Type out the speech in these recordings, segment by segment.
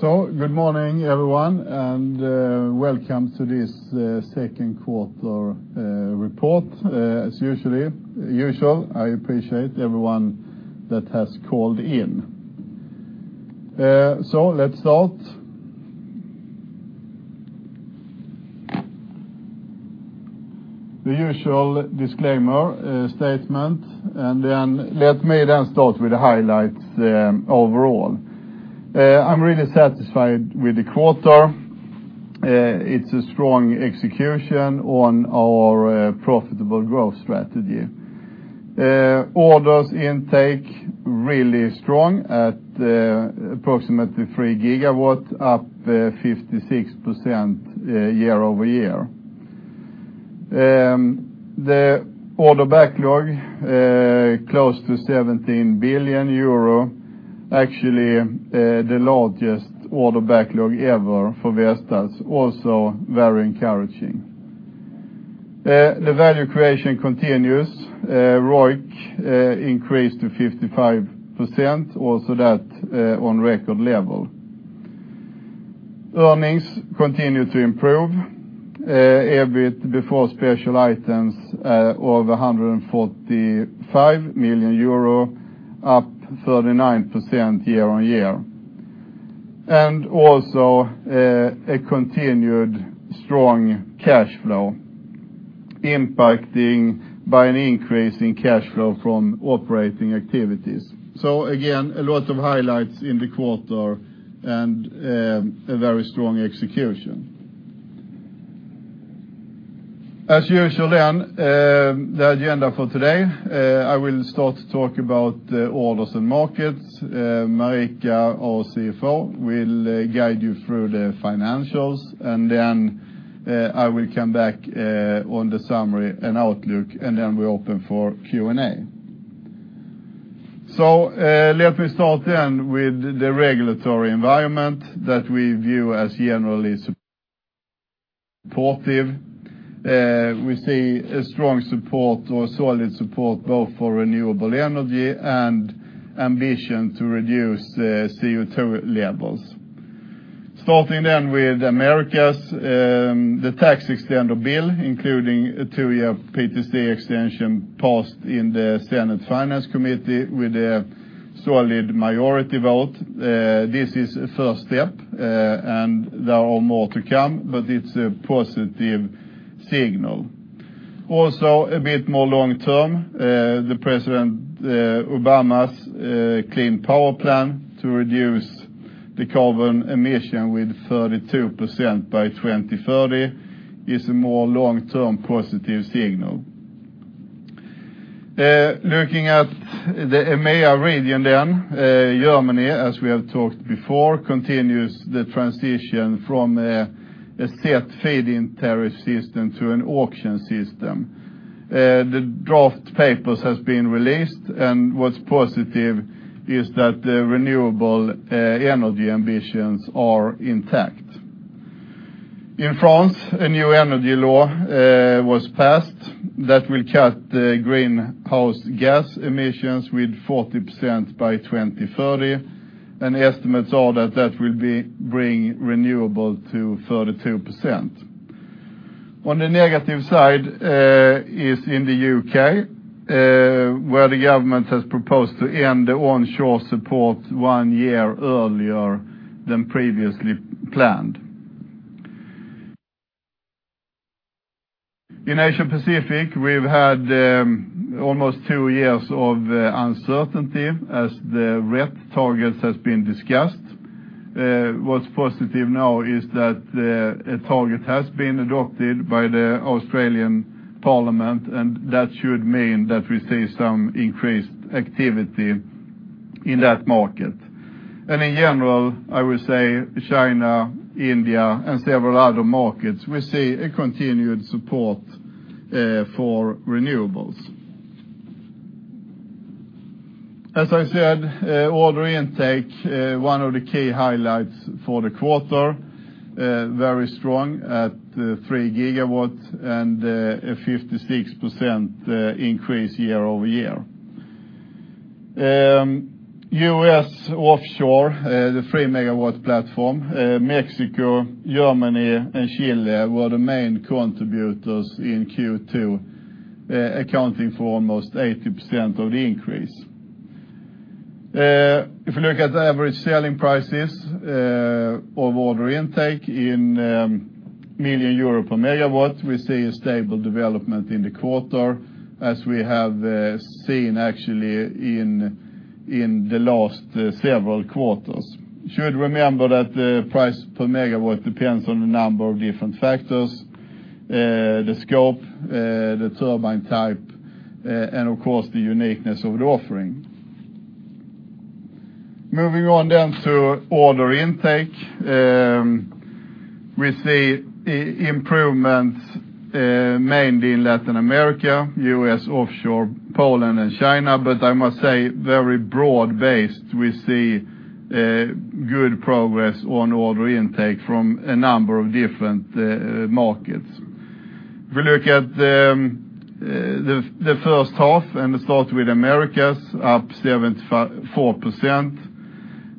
Good morning, everyone, and welcome to this second quarter report. As usual, I appreciate everyone that has called in. Let's start. The usual disclaimer statement. Let me then start with the highlights overall. I am really satisfied with the quarter. It is a strong execution on our profitable growth strategy. Orders intake, really strong at approximately 3 gigawatts, up 56% year-over-year. The order backlog, close to 17 billion euro, actually the largest order backlog ever for Vestas, also very encouraging. The value creation continues. ROIC increased to 55%, also that on record level. Earnings continue to improve. EBIT before special items of 145 million euro, up 39% year-on-year. Also a continued strong cash flow impacting by an increase in cash flow from operating activities. Again, a lot of highlights in the quarter and a very strong execution. As usual, the agenda for today, I will start to talk about orders and markets. Marika, our CFO, will guide you through the financials. I will come back on the summary and outlook. We open for Q&A. Let me start then with the regulatory environment that we view as generally supportive. We see a strong support or solid support both for renewable energy and ambition to reduce CO2 levels. Starting then with Americas, the tax extender bill, including a 2-year PTC extension passed in the Senate Finance Committee with a solid majority vote. This is a first step. There are more to come, but it is a positive signal. Also, a bit more long-term, President Obama's Clean Power Plan to reduce the carbon emission with 32% by 2030 is a more long-term positive signal. Looking at the EMEA region, Germany, as we have talked before, continues the transition from a set feed-in tariff system to an auction system. The draft papers has been released, and what's positive is that the renewable energy ambitions are intact. In France, a new energy law was passed that will cut the greenhouse gas emissions with 40% by 2030. Estimates are that that will bring renewable to 32%. On the negative side is in the U.K., where the government has proposed to end the onshore support one year earlier than previously planned. In Asia Pacific, we have had almost 2 years of uncertainty as the RET targets has been discussed. What's positive now is that a target has been adopted by the Australian Parliament. That should mean that we see some increased activity in that market. In general, I would say China, India, and several other markets, we see a continued support for renewables. As I said, order intake, one of the key highlights for the quarter, very strong at 3 gigawatts and a 56% increase year-over-year. U.S. onshore, the 3-megawatt platform, Mexico, Germany, and Chile were the main contributors in Q2, accounting for almost 80% of the increase. If you look at the average selling prices of order intake in million EUR per megawatt, we see a stable development in the quarter as we have seen actually in the last several quarters. Should remember that the price per megawatt depends on a number of different factors, the scope, the turbine type, and of course, the uniqueness of the offering. Moving on to order intake. We see improvements mainly in Latin America, U.S. offshore, Poland, and China. I must say, very broad-based, we see good progress on order intake from a number of different markets. If we look at the first half, we start with Americas, up 74%.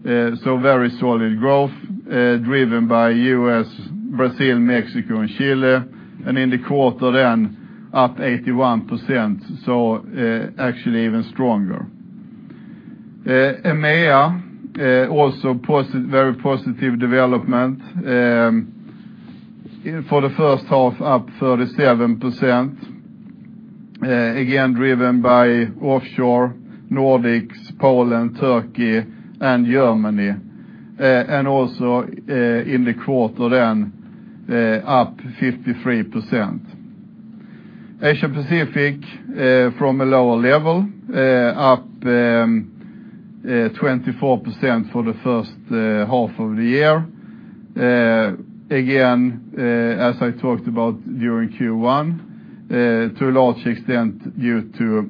Very solid growth, driven by U.S., Brazil, Mexico, and Chile. In the quarter then, up 81%, actually even stronger. EMEA, also very positive development. For the first half, up 37%. Again, driven by offshore Nordics, Poland, Turkey, and Germany. Also in the quarter then, up 53%. Asia-Pacific, from a lower level, up 24% for the first half of the year. Again, as I talked about during Q1, to a large extent due to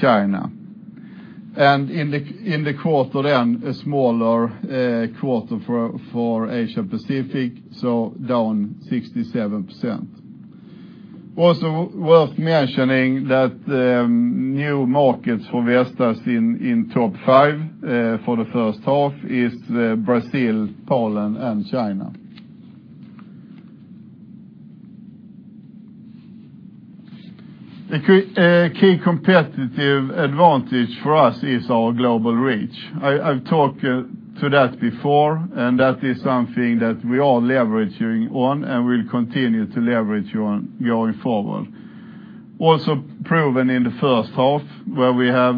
China. In the quarter then, a smaller quarter for Asia-Pacific, down 67%. Also worth mentioning that new markets for Vestas in top five for the first half is Brazil, Poland, and China. A key competitive advantage for us is our global reach. I've talked to that before, that is something that we are leveraging on and will continue to leverage on going forward. Also proven in the first half, where we have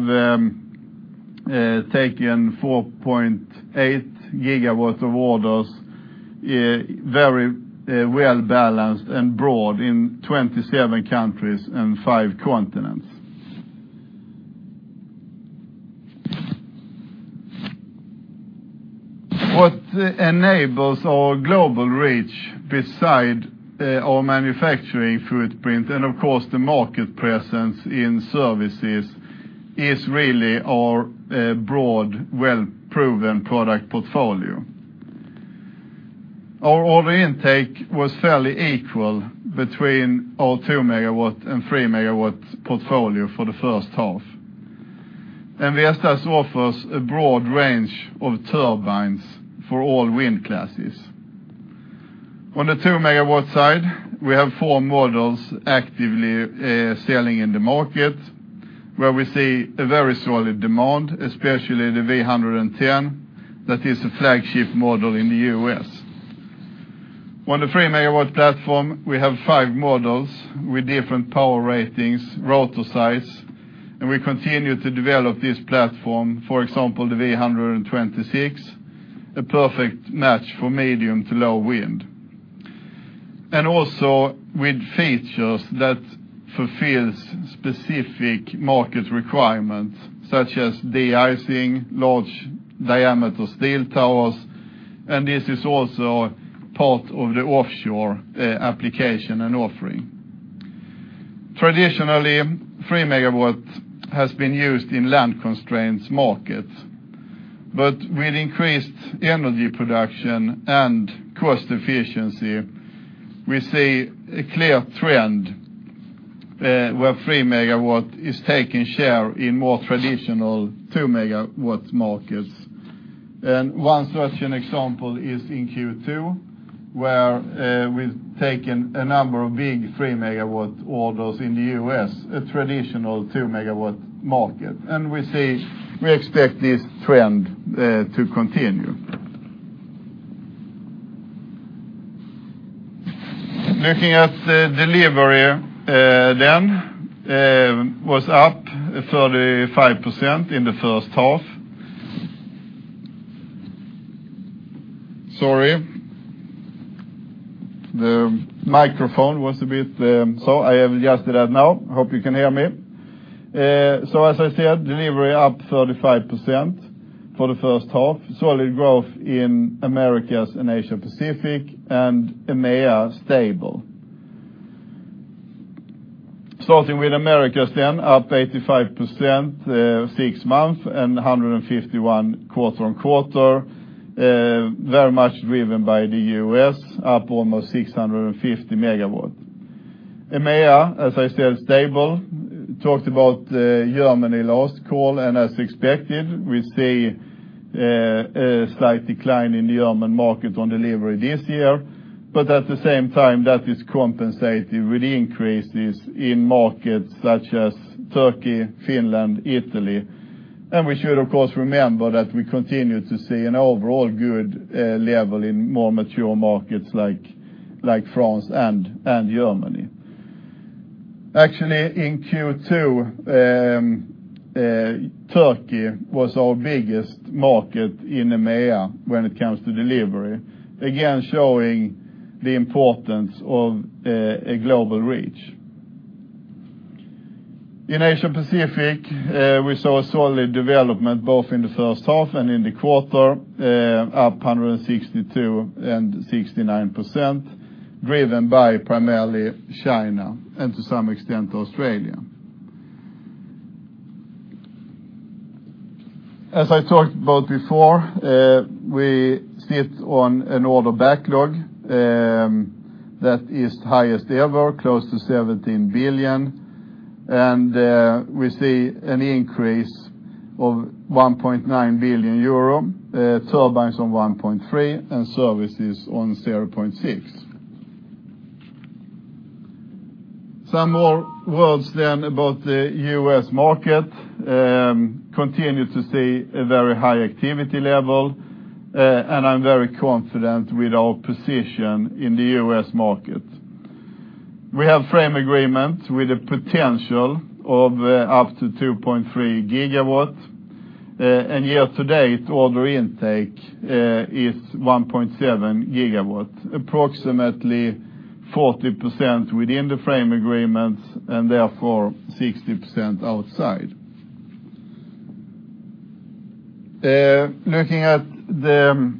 taken 4.8 gigawatts of orders, very well-balanced and broad in 27 countries and five continents. What enables our global reach beside our manufacturing footprint, and of course, the market presence in services, is really our broad, well-proven product portfolio. Our order intake was fairly equal between our 2 megawatt and 3 megawatt portfolio for the first half. Vestas offers a broad range of turbines for all wind classes. On the 2 megawatt side, we have four models actively selling in the market, where we see a very solid demand, especially the V110, that is a flagship model in the U.S. On the 3 megawatt platform, we have five models with different power ratings, rotor size. We continue to develop this platform. For example, the V126, a perfect match for medium to low wind. Also with features that fulfills specific market requirements, such as de-icing, large diameter steel towers, and this is also part of the offshore application and offering. Traditionally, 3 megawatt has been used in land constraints markets, but with increased energy production and cost efficiency, we see a clear trend where 3 megawatt is taking share in more traditional 2 megawatt markets. One such an example is in Q2, where we've taken a number of big 3 megawatt orders in the U.S., a traditional 2 megawatt market. We expect this trend to continue. Looking at delivery then, was up 35% in the first half. Sorry. The microphone was a bit. I have adjusted that now. Hope you can hear me. As I said, delivery up 35% for the first half. Solid growth in Americas, Asia-Pacific, and EMEA stable. Starting with Americas then, up 85% six months and 151 quarter-on-quarter. Very much driven by the U.S., up almost 650 megawatt. EMEA, as I said, stable. Talked about Germany last call, as expected, we see a slight decline in the German market on delivery this year. At the same time, that is compensated with increases in markets such as Turkey, Finland, and Italy. We should, of course, remember that we continue to see an overall good level in more mature markets like France and Germany. Actually, in Q2, Turkey was our biggest market in EMEA when it comes to delivery. Again, showing the importance of a global reach. In Asia-Pacific, we saw a solid development, both in the first half and in the quarter, up 162% and 69%, driven by primarily China and to some extent, Australia. As I talked about before, we sit on an order backlog that is the highest ever, close to 17 billion. We see an increase of 1.9 billion euro, turbines on 1.3 billion, and services on 0.6 billion. Some more words about the U.S. market. We continue to see a very high activity level, and I'm very confident with our position in the U.S. market. We have frame agreement with a potential of up to 2.3 GW. Year-to-date order intake is 1.7 GW, approximately 40% within the frame agreements and therefore 60% outside. Looking at the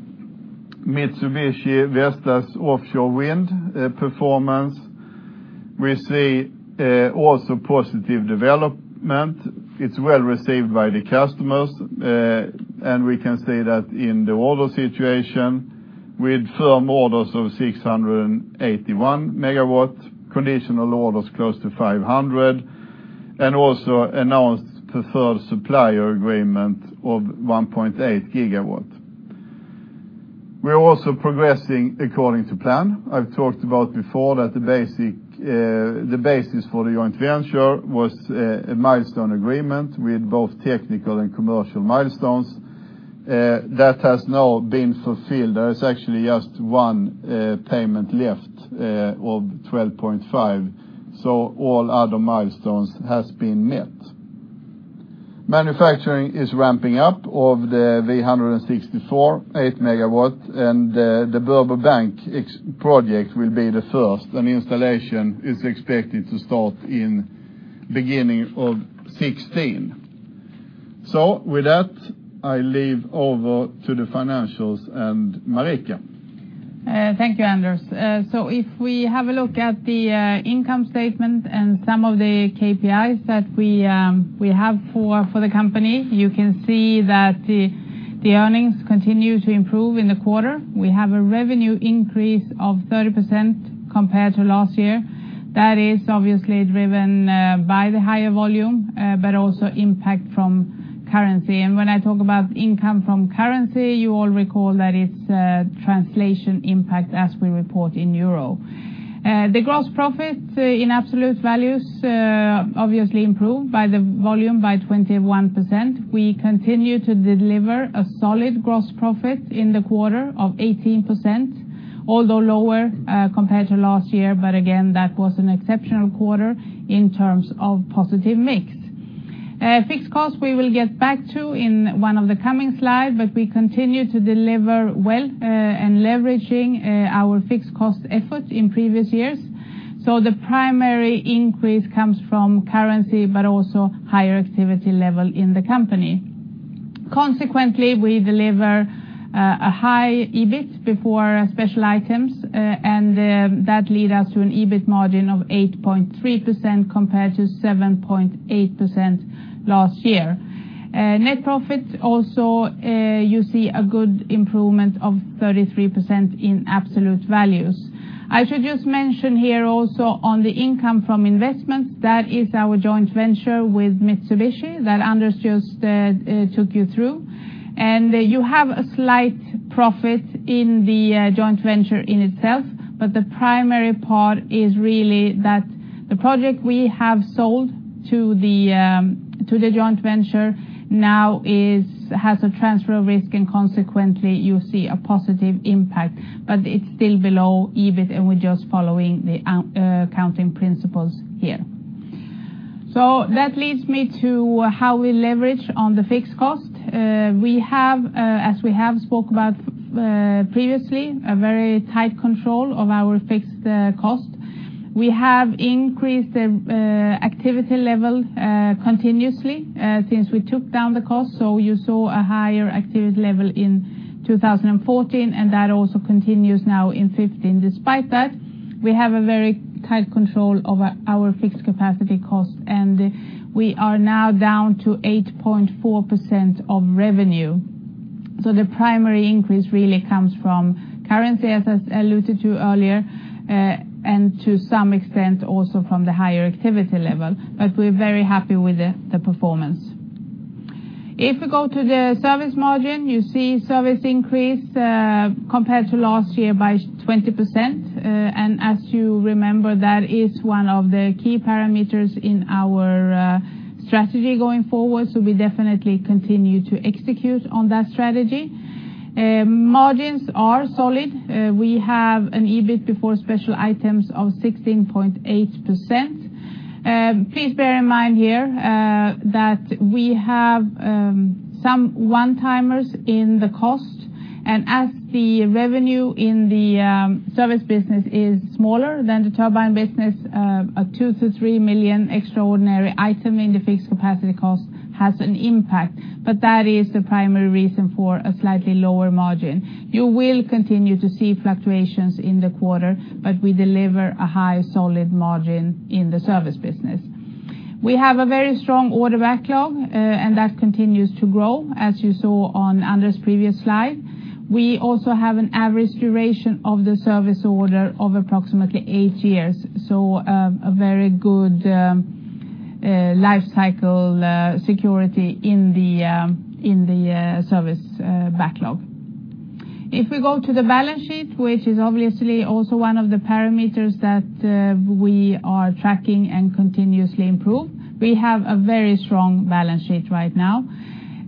Mitsubishi-Vestas offshore wind performance, we see also positive development. It is well-received by the customers, and we can see that in the order situation with firm orders of 681 MW, conditional orders close to 500 MW, and also announced preferred supplier agreement of 1.8 GW. We are also progressing according to plan. I have talked about before that the basis for the joint venture was a milestone agreement with both technical and commercial milestones. That has now been fulfilled. There is just one payment left of 12.5 million, so all other milestones has been met. Manufacturing is ramping up of the V164 8 MW, and the Burbo Bank project will be the first, and installation is expected to start in the beginning of 2016. With that, I leave over to the financials and Marika. Thank you, Anders. If we have a look at the income statement and some of the KPIs that we have for the company, you can see that the earnings continue to improve in the quarter. We have a revenue increase of 30% compared to last year. That is obviously driven by the higher volume, but also impact from currency. When I talk about income from currency, you all recall that it is a translation impact as we report in EUR. The gross profit in absolute values obviously improved by the volume by 21%. We continue to deliver a solid gross profit in the quarter of 18%, although lower compared to last year. Again, that was an exceptional quarter in terms of positive mix. Fixed cost, we will get back to in one of the coming slides, but we continue to deliver well and leveraging our fixed cost efforts in previous years. The primary increase comes from currency, but also higher activity level in the company. Consequently, we deliver a high EBIT before special items, and that lead us to an EBIT margin of 8.3% compared to 7.8% last year. Net profit also, you see a good improvement of 33% in absolute values. I should just mention here also on the income from investments, that is our joint venture with Mitsubishi that Anders just took you through. You have a slight profit in the joint venture in itself, but the primary part is really that the project we have sold to the joint venture now has a transfer of risk, and consequently, you see a positive impact. It's still below EBIT, and we're just following the accounting principles here. That leads me to how we leverage on the fixed cost. We have, as we have spoke about previously, a very tight control of our fixed cost. We have increased the activity level continuously since we took down the cost, so you saw a higher activity level in 2014, and that also continues now in 2015. Despite that, we have a very tight control over our fixed capacity cost, and we are now down to 8.4% of revenue. The primary increase really comes from currency, as I alluded to earlier, and to some extent, also from the higher activity level. We're very happy with the performance. If we go to the service margin, you see service increase compared to last year by 20%. As you remember, that is one of the key parameters in our strategy going forward, so we definitely continue to execute on that strategy. Margins are solid. We have an EBIT before special items of 16.8%. Please bear in mind here that we have some one-timers in the cost, and as the revenue in the service business is smaller than the turbine business, a 2 million-3 million extraordinary item in the fixed capacity cost has an impact. That is the primary reason for a slightly lower margin. You will continue to see fluctuations in the quarter, but we deliver a high, solid margin in the service business. We have a very strong order backlog, and that continues to grow, as you saw on Anders' previous slide. We also have an average duration of the service order of approximately eight years, so a very good life cycle security in the service backlog. If we go to the balance sheet, which is obviously also one of the parameters that we are tracking and continuously improve, we have a very strong balance sheet right now.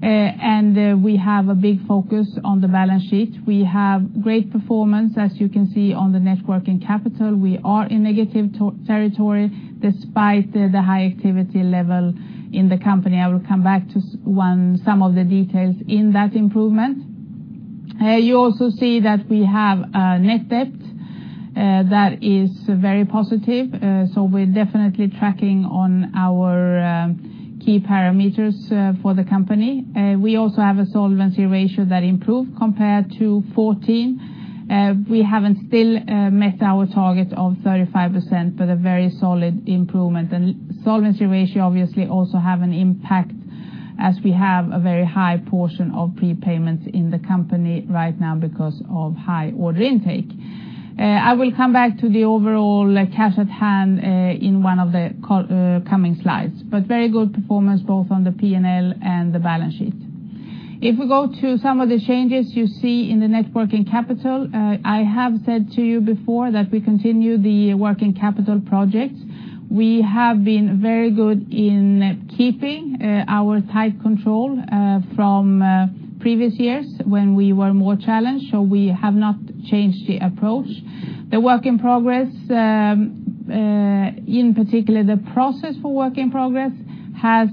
We have a big focus on the balance sheet. We have great performance, as you can see on the net working capital. We are in negative territory despite the high activity level in the company. I will come back to some of the details in that improvement. You also see that we have a net debt that is very positive. We're definitely tracking on our key parameters for the company. We also have a solvency ratio that improved compared to 2014. We haven't still met our target of 35%, but a very solid improvement. Solvency ratio obviously also has an impact as we have a very high portion of prepayments in the company right now because of high order intake. I will come back to the overall cash at hand in one of the coming slides, but very good performance both on the P&L and the balance sheet. If we go to some of the changes you see in the net working capital, I have said to you before that we continue the working capital projects. We have been very good in keeping our tight control from previous years when we were more challenged. We have not changed the approach. The work in progress, in particular, the process for work in progress, has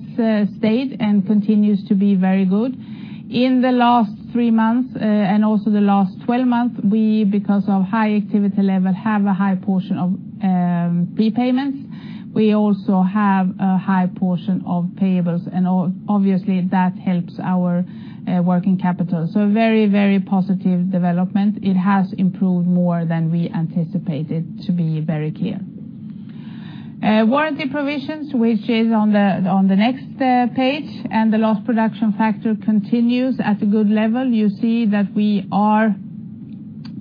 stayed and continues to be very good. In the last three months, and also the last 12 months, we, because of high activity level, have a high portion of prepayments. We also have a high portion of payables, and obviously, that helps our working capital. Very positive development. It has improved more than we anticipated, to be very clear. Warranty provisions, which is on the next page, and the lost production factor continues at a good level. You see that we are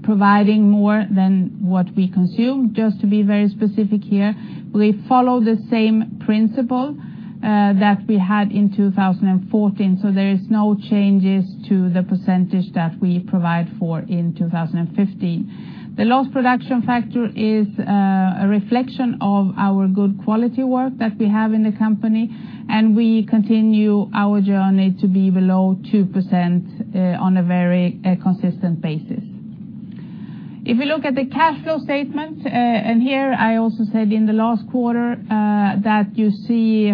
providing more than what we consume. Just to be very specific here, we follow the same principle that we had in 2014. There is no change to the percentage that we provide for in 2015. The lost production factor is a reflection of our good quality work that we have in the company, and we continue our journey to be below 2% on a very consistent basis. If we look at the cash flow statement, here I also said in the last quarter, that you see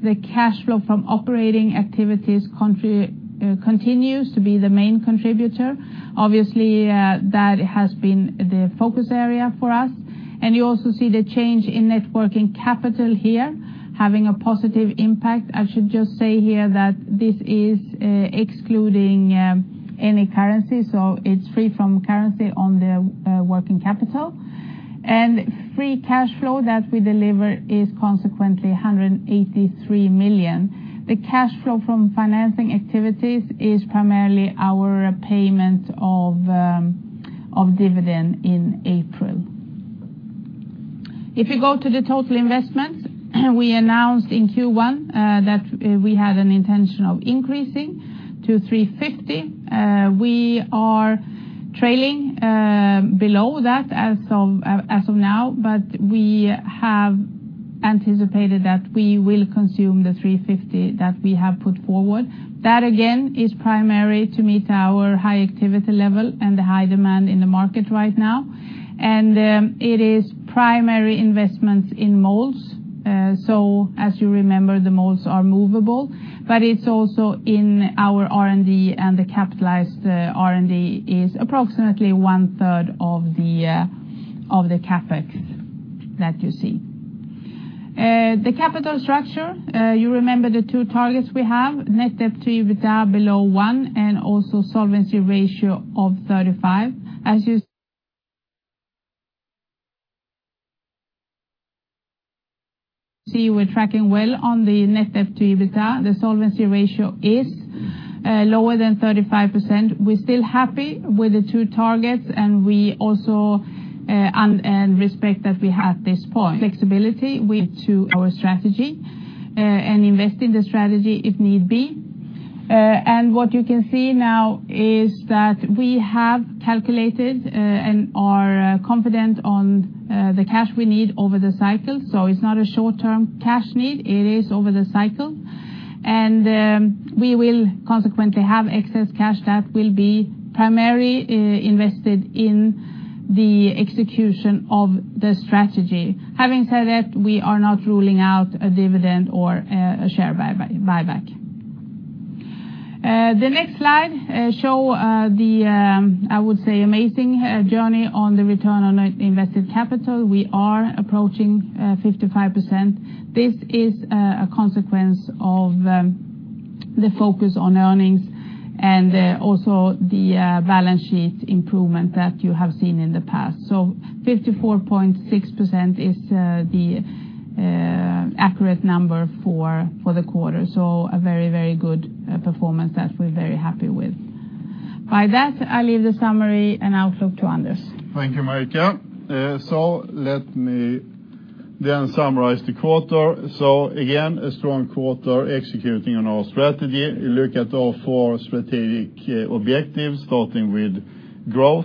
the cash flow from operating activities continues to be the main contributor. Obviously, that has been the focus area for us. You also see the change in net working capital here, having a positive impact. I should just say here that this is excluding any currency, so it's free from currency on the working capital. Free cash flow that we deliver is consequently 183 million. The cash flow from financing activities is primarily our payment of dividend in April. If you go to the total investments, we announced in Q1 that we had an intention of increasing to 350 million. We are trailing below that as of now, but we have anticipated that we will consume the 350 million that we have put forward. That, again, is primarily to meet our high activity level and the high demand in the market right now. It is primarily investments in molds. As you remember, the molds are movable, but it's also in our R&D, and the capitalized R&D is approximately one-third of the CapEx that you see. The capital structure, you remember the two targets we have, net debt to EBITDA below one, and also solvency ratio of 35%. You see, we're tracking well on the net debt to EBITDA. The solvency ratio is lower than 35%. We're still happy with the two targets, and we also respect that we have this flexibility to our strategy and invest in the strategy if need be. What you can see now is that we have calculated and are confident on the cash we need over the cycle. It's not a short-term cash need. It is over the cycle. We will consequently have excess cash that will be primarily invested in the execution of the strategy. Having said that, we are not ruling out a dividend or a share buyback. The next slide shows the, I would say, amazing journey on the return on invested capital. We are approaching 55%. This is a consequence of the focus on earnings and also the balance sheet improvement that you have seen in the past. 54.6% is the accurate number for the quarter. A very, very good performance that we're very happy with. By that, I leave the summary and outlook to Anders. Thank you, Marika. Let me then summarize the quarter. Again, a strong quarter executing on our strategy. You look at all four strategic objectives, starting with growth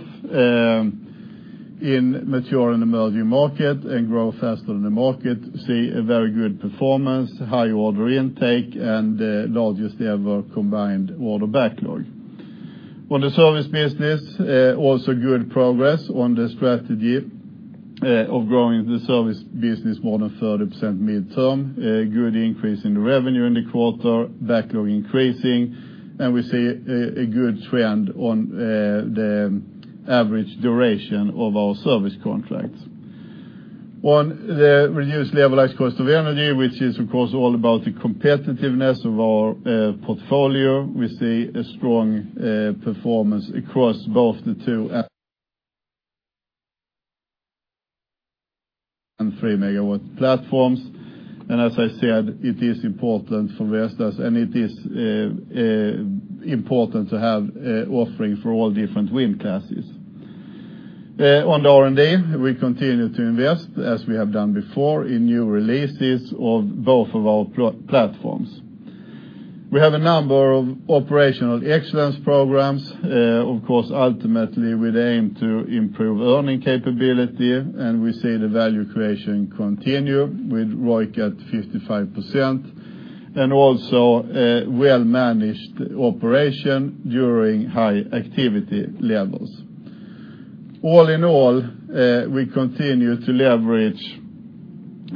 in mature and emerging markets and grow faster than the market. We see a very good performance, high order intake, and largest ever combined order backlog. On the service business, also good progress on the strategy of growing the service business more than 30% midterm, a good increase in the revenue in the quarter, backlog increasing, and we see a good trend on the average duration of our service contracts. On the reduced levelized cost of energy, which is, of course, all about the competitiveness of our portfolio. We see a strong performance across both the 2 and 3 megawatt platforms. As I said, it is important for Vestas, and it is important to have offering for all different wind classes. On the R&D, we continue to invest, as we have done before, in new releases of both of our platforms. We have a number of operational excellence programs. Of course, ultimately, we aim to improve earning capability, and we see the value creation continue with ROIC at 55%, and also a well-managed operation during high activity levels. All in all, we continue to leverage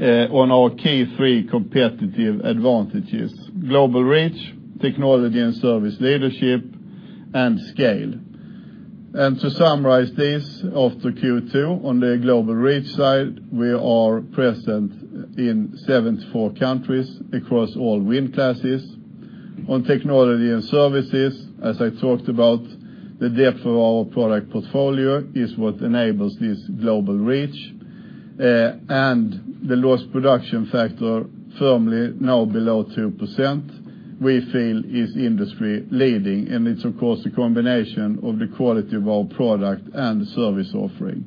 on our key three competitive advantages: global reach, technology and service leadership, and scale. To summarize this after Q2, on the global reach side, we are present in 74 countries across all wind classes. On technology and services, as I talked about, the depth of our product portfolio is what enables this global reach. The lost production factor firmly now below 2%, we feel is industry-leading, and it's, of course, a combination of the quality of our product and the service offering.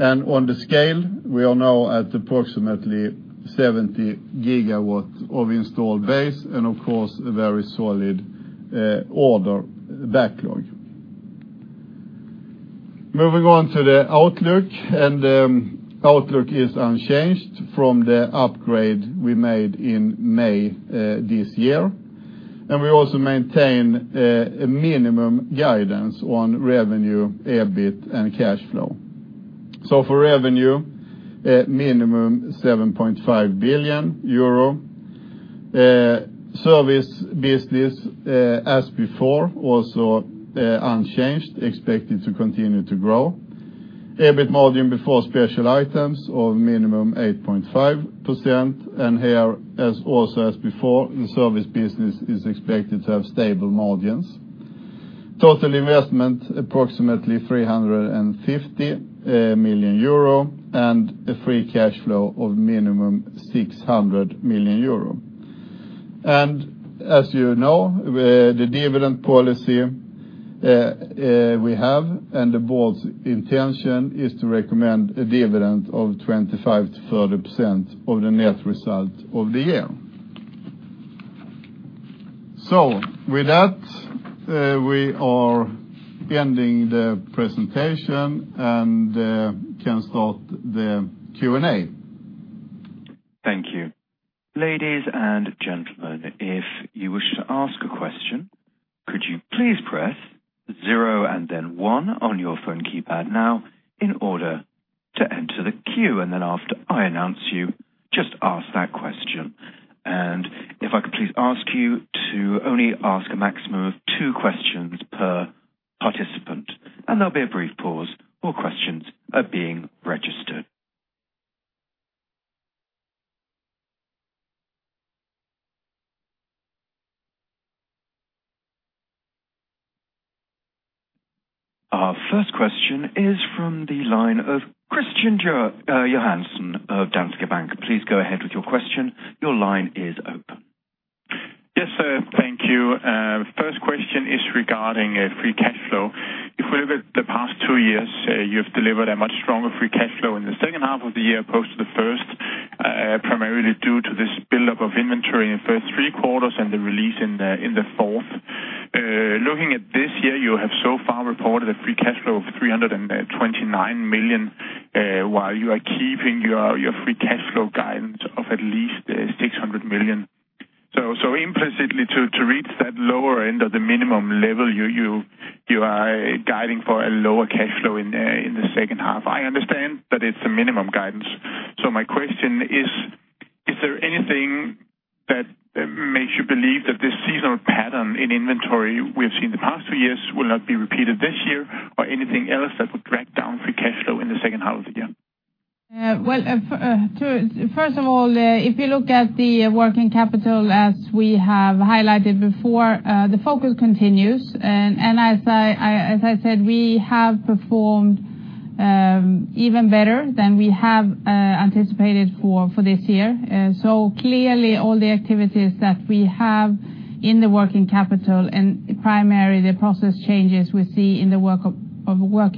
On the scale, we are now at approximately 70 gigawatts of installed base and, of course, a very solid order backlog. Moving on to the outlook, the outlook is unchanged from the upgrade we made in May this year. We also maintain a minimum guidance on revenue, EBIT, and cash flow. For revenue, minimum 7.5 billion euro. Service business, as before, also unchanged, expected to continue to grow. EBIT margin before special items of minimum 8.5%. Here, also as before, the service business is expected to have stable margins. Total investment, approximately 350 million euro. A free cash flow of minimum 600 million euro. As you know, the dividend policy we have and the board's intention is to recommend a dividend of 25%-30% of the net result of the year. With that, we are ending the presentation and can start the Q&A. Thank you. Ladies and gentlemen, if you wish to ask a question, could you please press zero and then one on your phone keypad now in order to enter the queue? After I announce you, just ask that question. If I could please ask you to only ask a maximum of two questions per participant. There will be a brief pause while questions are being registered. Our first question is from the line of Christian Johansen of Danske Bank. Please go ahead with your question. Your line is open. Yes, sir. Thank you. First question is regarding free cash flow. If we look at the past two years, you have delivered a much stronger free cash flow in the second half of the year opposed to the first, primarily due to this buildup of inventory in the first three quarters and the release in the fourth. Looking at this year, you have so far reported a free cash flow of 329 million, while you are keeping your free cash flow guidance of at least 600 million. Implicitly, to reach that lower end of the minimum level, you are guiding for a lower cash flow in the second half. I understand that it is a minimum guidance. My question is: Is there anything that makes you believe that this seasonal pattern in inventory we have seen the past two years will not be repeated this year or anything else that would make Well, first of all, if you look at the working capital as we have highlighted before, the focus continues. As I said, we have performed even better than we have anticipated for this year. Clearly all the activities that we have in the working capital and primarily the process changes we see in the work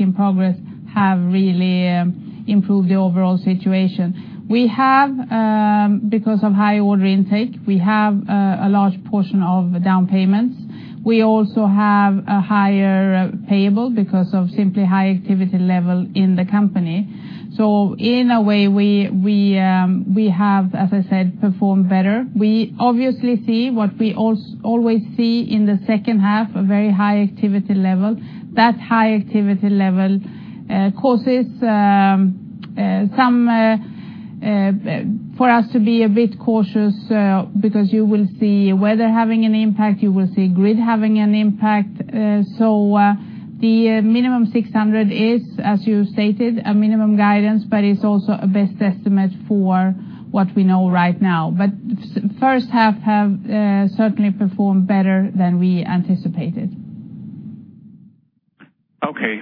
in progress, have really improved the overall situation. Because of high order intake, we have a large portion of down payments. We also have a higher payable because of simply high activity level in the company. In a way we have, as I said, performed better. We obviously see what we always see in the second half, a very high activity level. That high activity level causes some for us to be a bit cautious, because you will see weather having an impact, you will see grid having an impact. The minimum 600 is, as you stated, a minimum guidance, it's also a best estimate for what we know right now. First half have certainly performed better than we anticipated. Okay.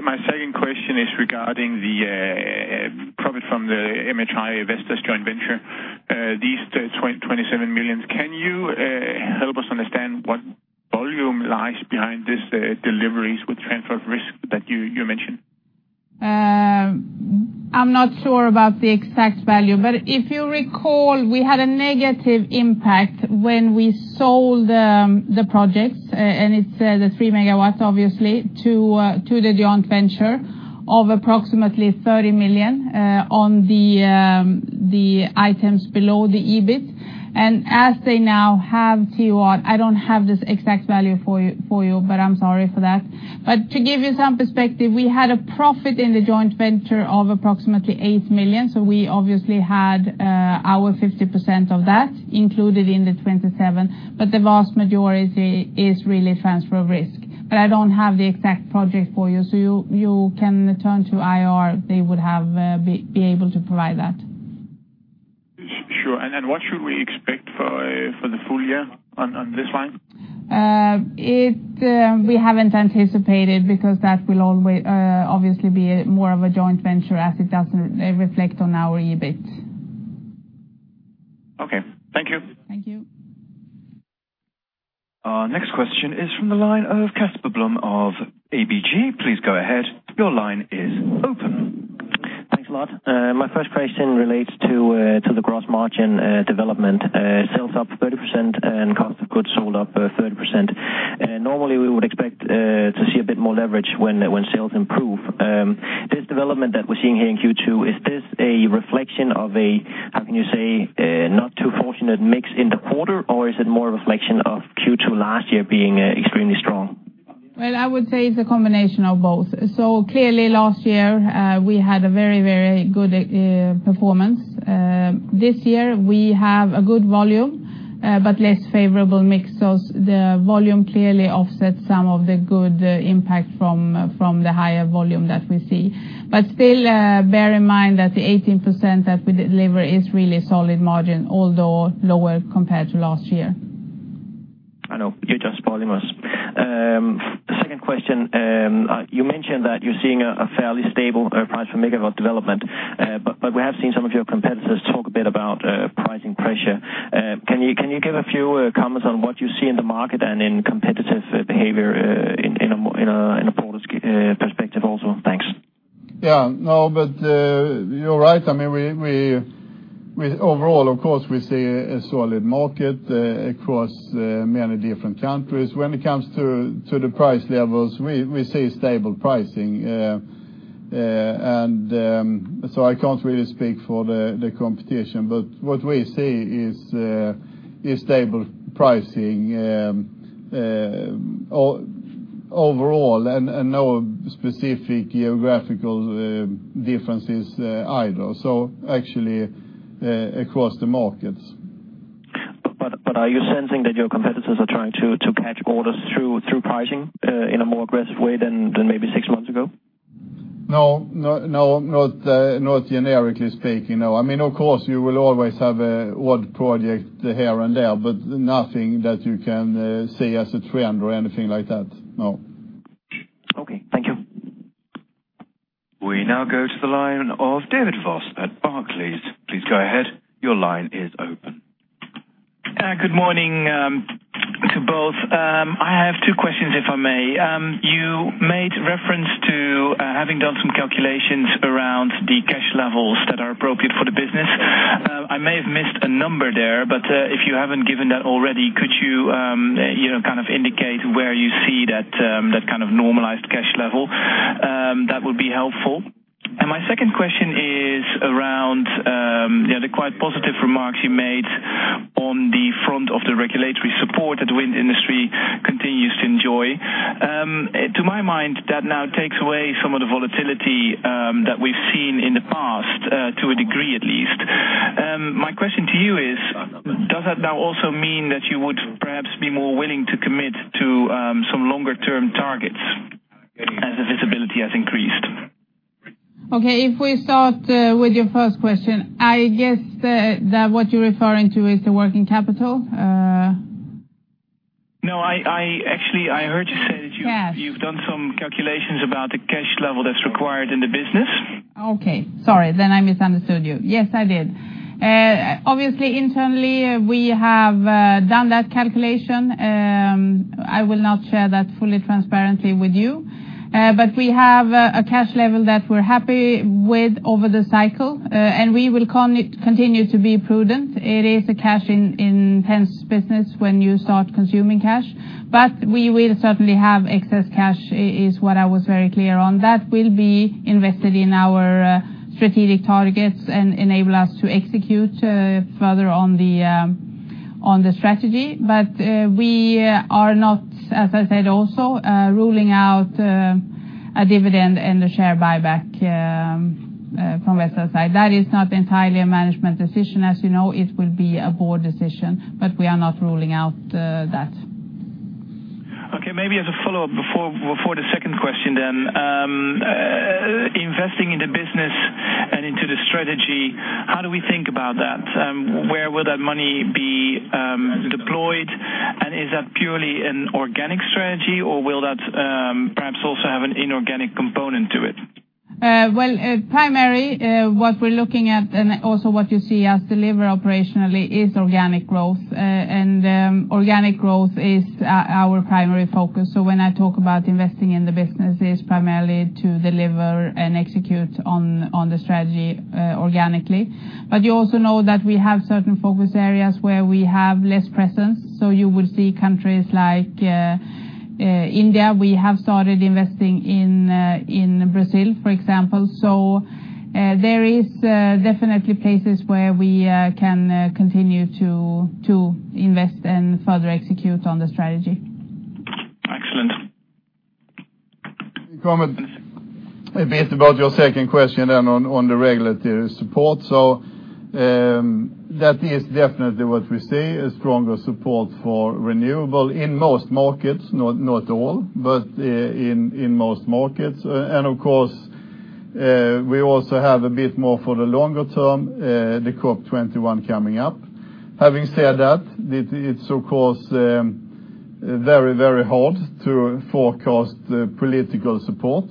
My second question is regarding the profit from the MHI Vestas joint venture. These 27 million, can you help us understand what volume lies behind these deliveries with transfer of risk that you mentioned? I'm not sure about the exact value, but if you recall, we had a negative impact when we sold the projects. It's the 3 MW, obviously, to the joint venture of approximately 30 million, on the items below the EBIT. As they now have to what, I don't have this exact value for you, I'm sorry for that. To give you some perspective, we had a profit in the joint venture of approximately 8 million. We obviously had our 50% of that included in the 27, but the vast majority is really transfer of risk. I don't have the exact project for you, so you can turn to IR, they would be able to provide that. Sure. What should we expect for the full year on this line? We haven't anticipated because that will obviously be more of a joint venture as it doesn't reflect on our EBIT. Okay. Thank you. Thank you. Our next question is from the line of Casper Blom of ABG. Please go ahead, your line is open. Thanks a lot. My first question relates to the gross margin development. Sales up 30% and cost of goods sold up 30%. Normally, we would expect to see a bit more leverage when sales improve. This development that we're seeing here in Q2, is this a reflection of a, how can you say, not too fortunate mix in the quarter, or is it more a reflection of Q2 last year being extremely strong? Well, I would say it's a combination of both. Clearly last year, we had a very, very good performance. This year we have a good volume, but less favorable mix. The volume clearly offsets some of the good impact from the higher volume that we see. Still, bear in mind that the 18% that we deliver is really solid margin, although lower compared to last year. I know. You're just spoiling us. Second question, you mentioned that you're seeing a fairly stable price for megawatt development. We have seen some of your competitors talk a bit about pricing pressure. Can you give a few comments on what you see in the market and in competitive behavior in a broader perspective also? Thanks. Yeah. No, you're right. I mean, overall, of course, we see a solid market across many different countries. When it comes to the price levels, we see stable pricing. I can't really speak for the competition, but what we see is stable pricing overall and no specific geographical differences either. Actually, across the markets. Are you sensing that your competitors are trying to patch orders through pricing in a more aggressive way than maybe six months ago? No, not generically speaking, no. I mean, of course you will always have odd project here and there, but nothing that you can see as a trend or anything like that, no. Okay, thank you. We now go to the line of David Vos at Barclays. Please go ahead. Your line is open. Good morning to both. I have two questions, if I may. You made reference to having done some calculations around the cash levels that are appropriate for the business. I may have missed a number there, but if you haven't given that already, could you kind of indicate where you see that kind of normalized cash level? That would be helpful. My second question is around the quite positive remarks you made on the front of the regulatory support that wind industry continues to enjoy. To my mind, that now takes away some of the volatility that we've seen in the past. Does that now also mean that you would perhaps be more willing to commit to some longer-term targets as the visibility has increased? Okay. If we start with your first question, I guess that what you're referring to is the working capital? No, actually, I heard you say that. Yes You've done some calculations about the cash level that's required in the business. Sorry, I misunderstood you. Yes, I did. Obviously, internally, we have done that calculation. I will not share that fully transparently with you. We have a cash level that we're happy with over the cycle, and we will continue to be prudent. It is a cash-intense business when you start consuming cash. We will certainly have excess cash, is what I was very clear on. That will be invested in our strategic targets and enable us to execute further on the strategy. We are not, as I said also, ruling out a dividend and a share buyback from Vestas' side. That is not entirely a management decision. As you know, it will be a board decision, but we are not ruling out that. Maybe as a follow-up before the second question. Investing in the business and into the strategy, how do we think about that? Where will that money be deployed? Is that purely an organic strategy, or will that perhaps also have an inorganic component to it? Primary, what we're looking at, and also what you see us deliver operationally, is organic growth. Organic growth is our primary focus. When I talk about investing in the business, it's primarily to deliver and execute on the strategy organically. You also know that we have certain focus areas where we have less presence. You will see countries like India. We have started investing in Brazil, for example. There is definitely places where we can continue to invest and further execute on the strategy. Excellent. Comment a bit about your second question on the regulatory support. That is definitely what we see, a stronger support for renewable in most markets. Not all, but in most markets. Of course, we also have a bit more for the longer term, the COP 21 coming up. Having said that, it's of course very, very hard to forecast political support.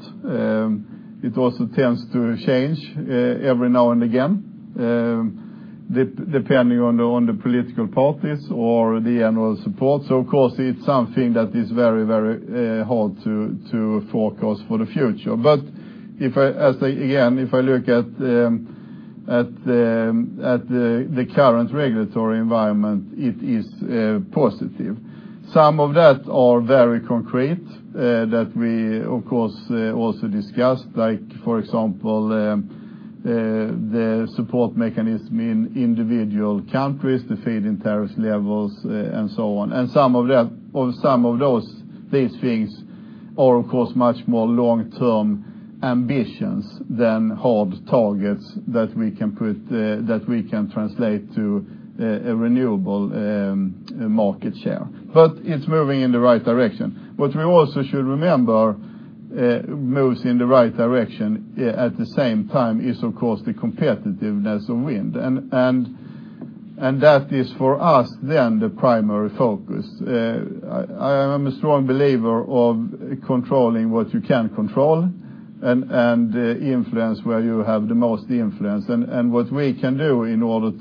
It also tends to change every now and again, depending on the political parties or the annual support. Of course, it's something that is very hard to forecast for the future. Again, if I look at the current regulatory environment, it is positive. Some of that are very concrete, that we, of course, also discussed. Like, for example, the support mechanism in individual countries, the feed-in tariff levels and so on. Some of these things are, of course, much more long-term ambitions than hard targets that we can translate to a renewable market share. It's moving in the right direction. What we also should remember moves in the right direction, at the same time, is, of course, the competitiveness of wind. That is for us then the primary focus. I am a strong believer of controlling what you can control and influence where you have the most influence. What we can do in order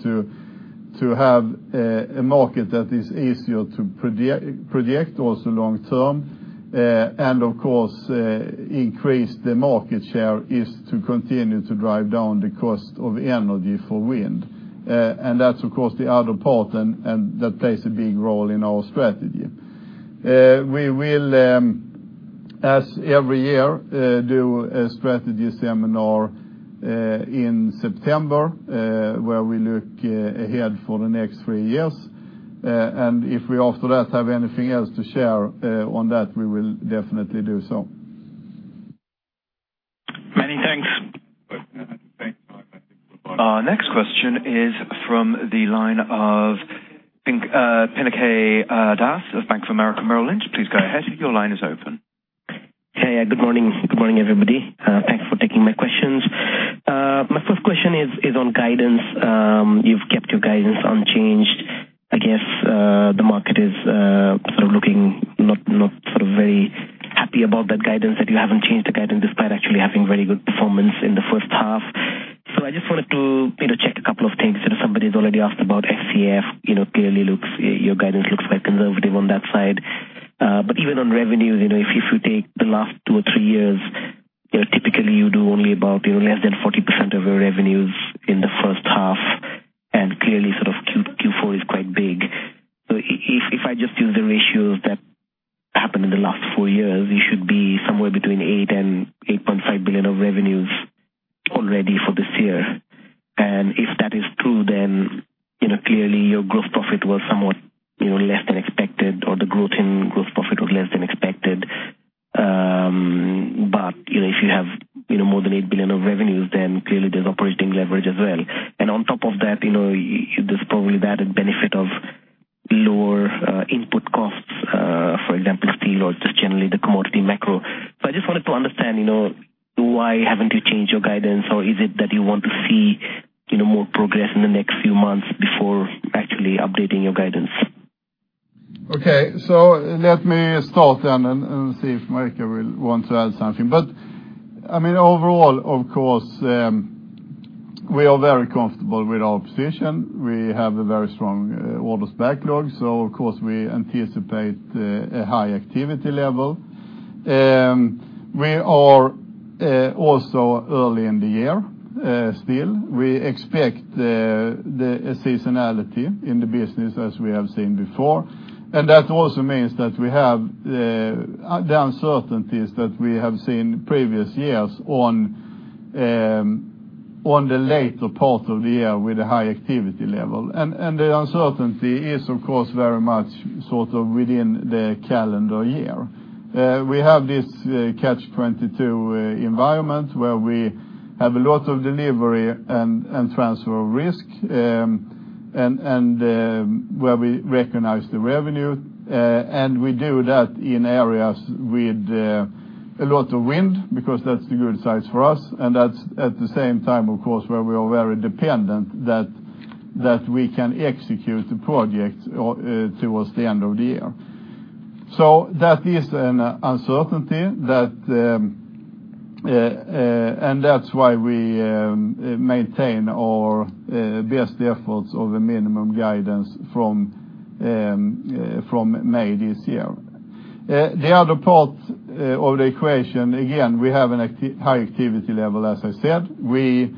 to have a market that is easier to project also long term, and of course, increase the market share, is to continue to drive down the cost of energy for wind. That's, of course, the other part, and that plays a big role in our strategy. We will, as every year, do a strategy seminar in September, where we look ahead for the next three years. If we, after that, have anything else to share on that, we will definitely do so. Many thanks. Thanks, Mark. I think we'll Our next question is from the line of, I think, Pinaki Das of Bank of America Merrill Lynch. Please go ahead. Your line is open. Hey, good morning. Good morning, everybody. Thanks for taking my questions. My first question is on guidance. You've kept your guidance unchanged. I guess, the market is sort of looking not very happy about that guidance, that you haven't changed the guidance despite actually having very good performance in the first half. I just wanted to check a couple of things. Somebody's already asked about FCF. Clearly, your guidance looks quite conservative on that side. Even on revenue, if you take the last two or three years, typically, you do only about less than 40% of your revenues in the first half, and clearly Q4 is quite big. If I just use the ratios that happened in the last four years, you should be somewhere between 8 billion and 8.5 billion of revenues already for this year. If that is true, then clearly your gross profit was somewhat less than expected, or the growth in gross profit was less than expected. If you have more than 8 billion of revenues, then clearly there's operating leverage as well. On top of that, there's probably the added benefit of lower input costs, for example, steel or just generally the commodity macro. I just wanted to understand, why haven't you changed your guidance, or is it that you want to see more progress in the next few months before actually updating your guidance? Okay. Let me start then and see if Marika will want to add something. Overall, of course, we are very comfortable with our position. We have a very strong orders backlog, of course, we anticipate a high activity level. We are also early in the year, still. We expect the seasonality in the business as we have seen before. That also means that we have the uncertainties that we have seen previous years on the later part of the year with a high activity level. The uncertainty is, of course, very much sort of within the calendar year. We have this Catch-22 environment where we have a lot of delivery and transfer of risk, and where we recognize the revenue. We do that in areas with a lot of wind, because that's the good sides for us, and that's at the same time, of course, where we are very dependent that we can execute the project towards the end of the year. That is an uncertainty, and that's why we maintain our best efforts of a minimum guidance from May this year. The other part of the equation, again, we have a high activity level, as I said. We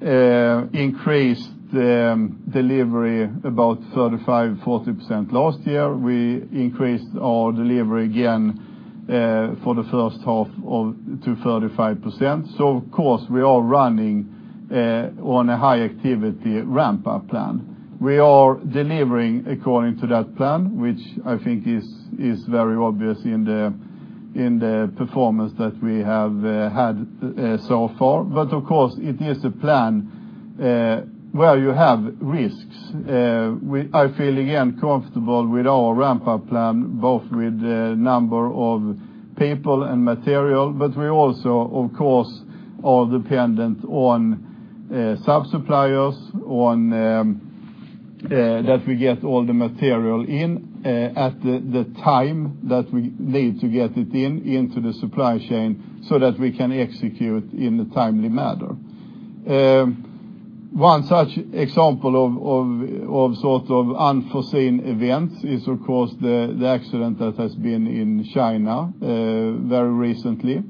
increased the delivery about 35%-40% last year. We increased our delivery again for the first half to 35%. Of course, we are running on a high activity ramp-up plan. We are delivering according to that plan, which I think is very obvious in the performance that we have had so far. Of course, it is a plan where you have risks. I feel, again, comfortable with our ramp-up plan, both with the number of people and material, we also, of course, are dependent on sub-suppliers, on that we get all the material in at the time that we need to get it in into the supply chain so that we can execute in a timely manner. One such example of unforeseen events is, of course, the accident that has been in China very recently.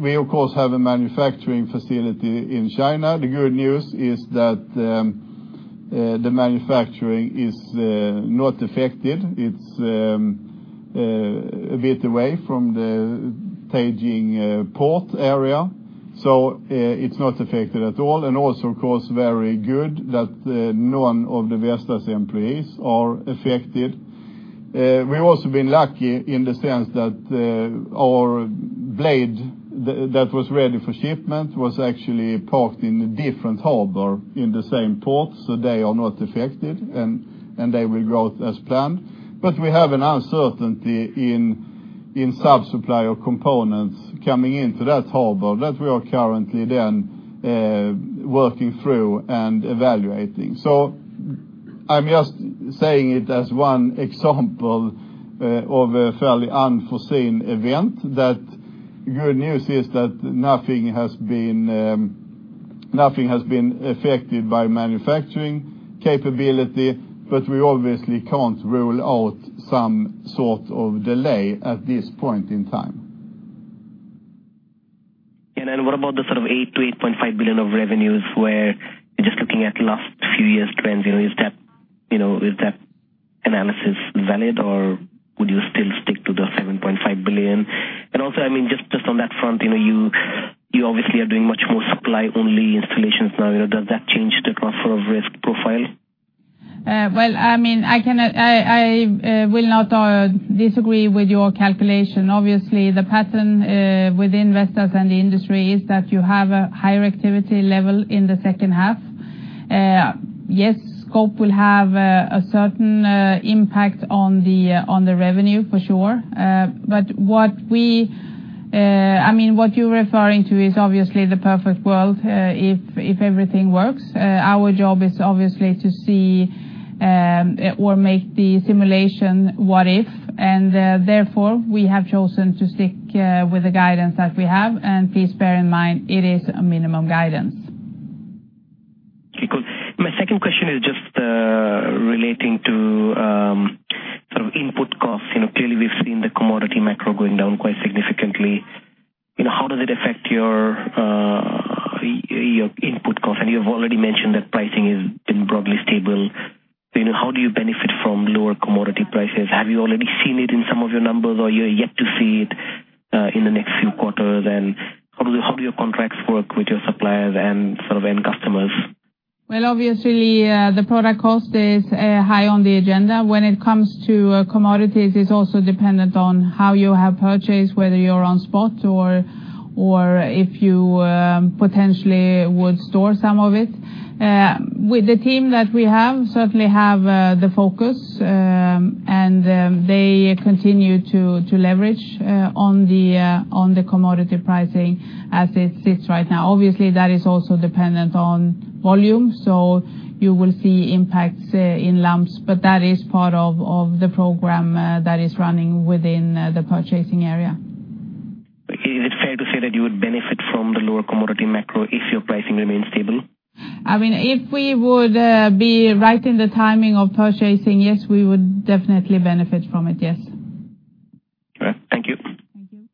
We, of course, have a manufacturing facility in China. The good news is that the manufacturing is not affected. It's a bit away from the Beijing port area, so it's not affected at all. Also, of course, very good that none of the Vestas employees are affected. We've also been lucky in the sense that our blade that was ready for shipment was actually parked in a different harbor in the same port, so they are not affected, and they will go as planned. We have an uncertainty in sub-supplier components coming into that harbor that we are currently then working through and evaluating. I'm just saying it as one example of a fairly unforeseen event that the good news is that nothing has been affected by manufacturing capability, we obviously can't rule out some sort of delay at this point in time. What about the sort of 8 billion-8.5 billion of revenues where you're just looking at last few years trends? Is that analysis valid, or would you still stick to the 7.5 billion? Also, just on that front, you obviously are doing much more supply-only installations now. Does that change the transfer of risk profile? Well, I will not disagree with your calculation. Obviously, the pattern within Vestas and the industry is that you have a higher activity level in the second half. Yes, scope will have a certain impact on the revenue for sure. I mean, what you're referring to is obviously the perfect world, if everything works. Our job is obviously to see or make the simulation, what if, and therefore, we have chosen to stick with the guidance that we have. Please bear in mind, it is a minimum guidance. Okay, cool. My second question is just relating to sort of input costs. Clearly we've seen the commodity macro going down quite significantly. How does it affect your input cost? You've already mentioned that pricing has been broadly stable. How do you benefit from lower commodity prices? Have you already seen it in some of your numbers, or you're yet to see it? In the next few quarters, how do your contracts work with your suppliers and end customers? Well, obviously, the product cost is high on the agenda. When it comes to commodities, it's also dependent on how you have purchased, whether you're on spot or if you potentially would store some of it. With the team that we have, certainly have the focus, they continue to leverage on the commodity pricing as it sits right now. Obviously, that is also dependent on volume, you will see impacts in lumps. That is part of the program that is running within the purchasing area. Is it fair to say that you would benefit from the lower commodity macro if your pricing remains stable? If we would be right in the timing of purchasing, yes, we would definitely benefit from it. Yes. Okay, thank you. Thank you.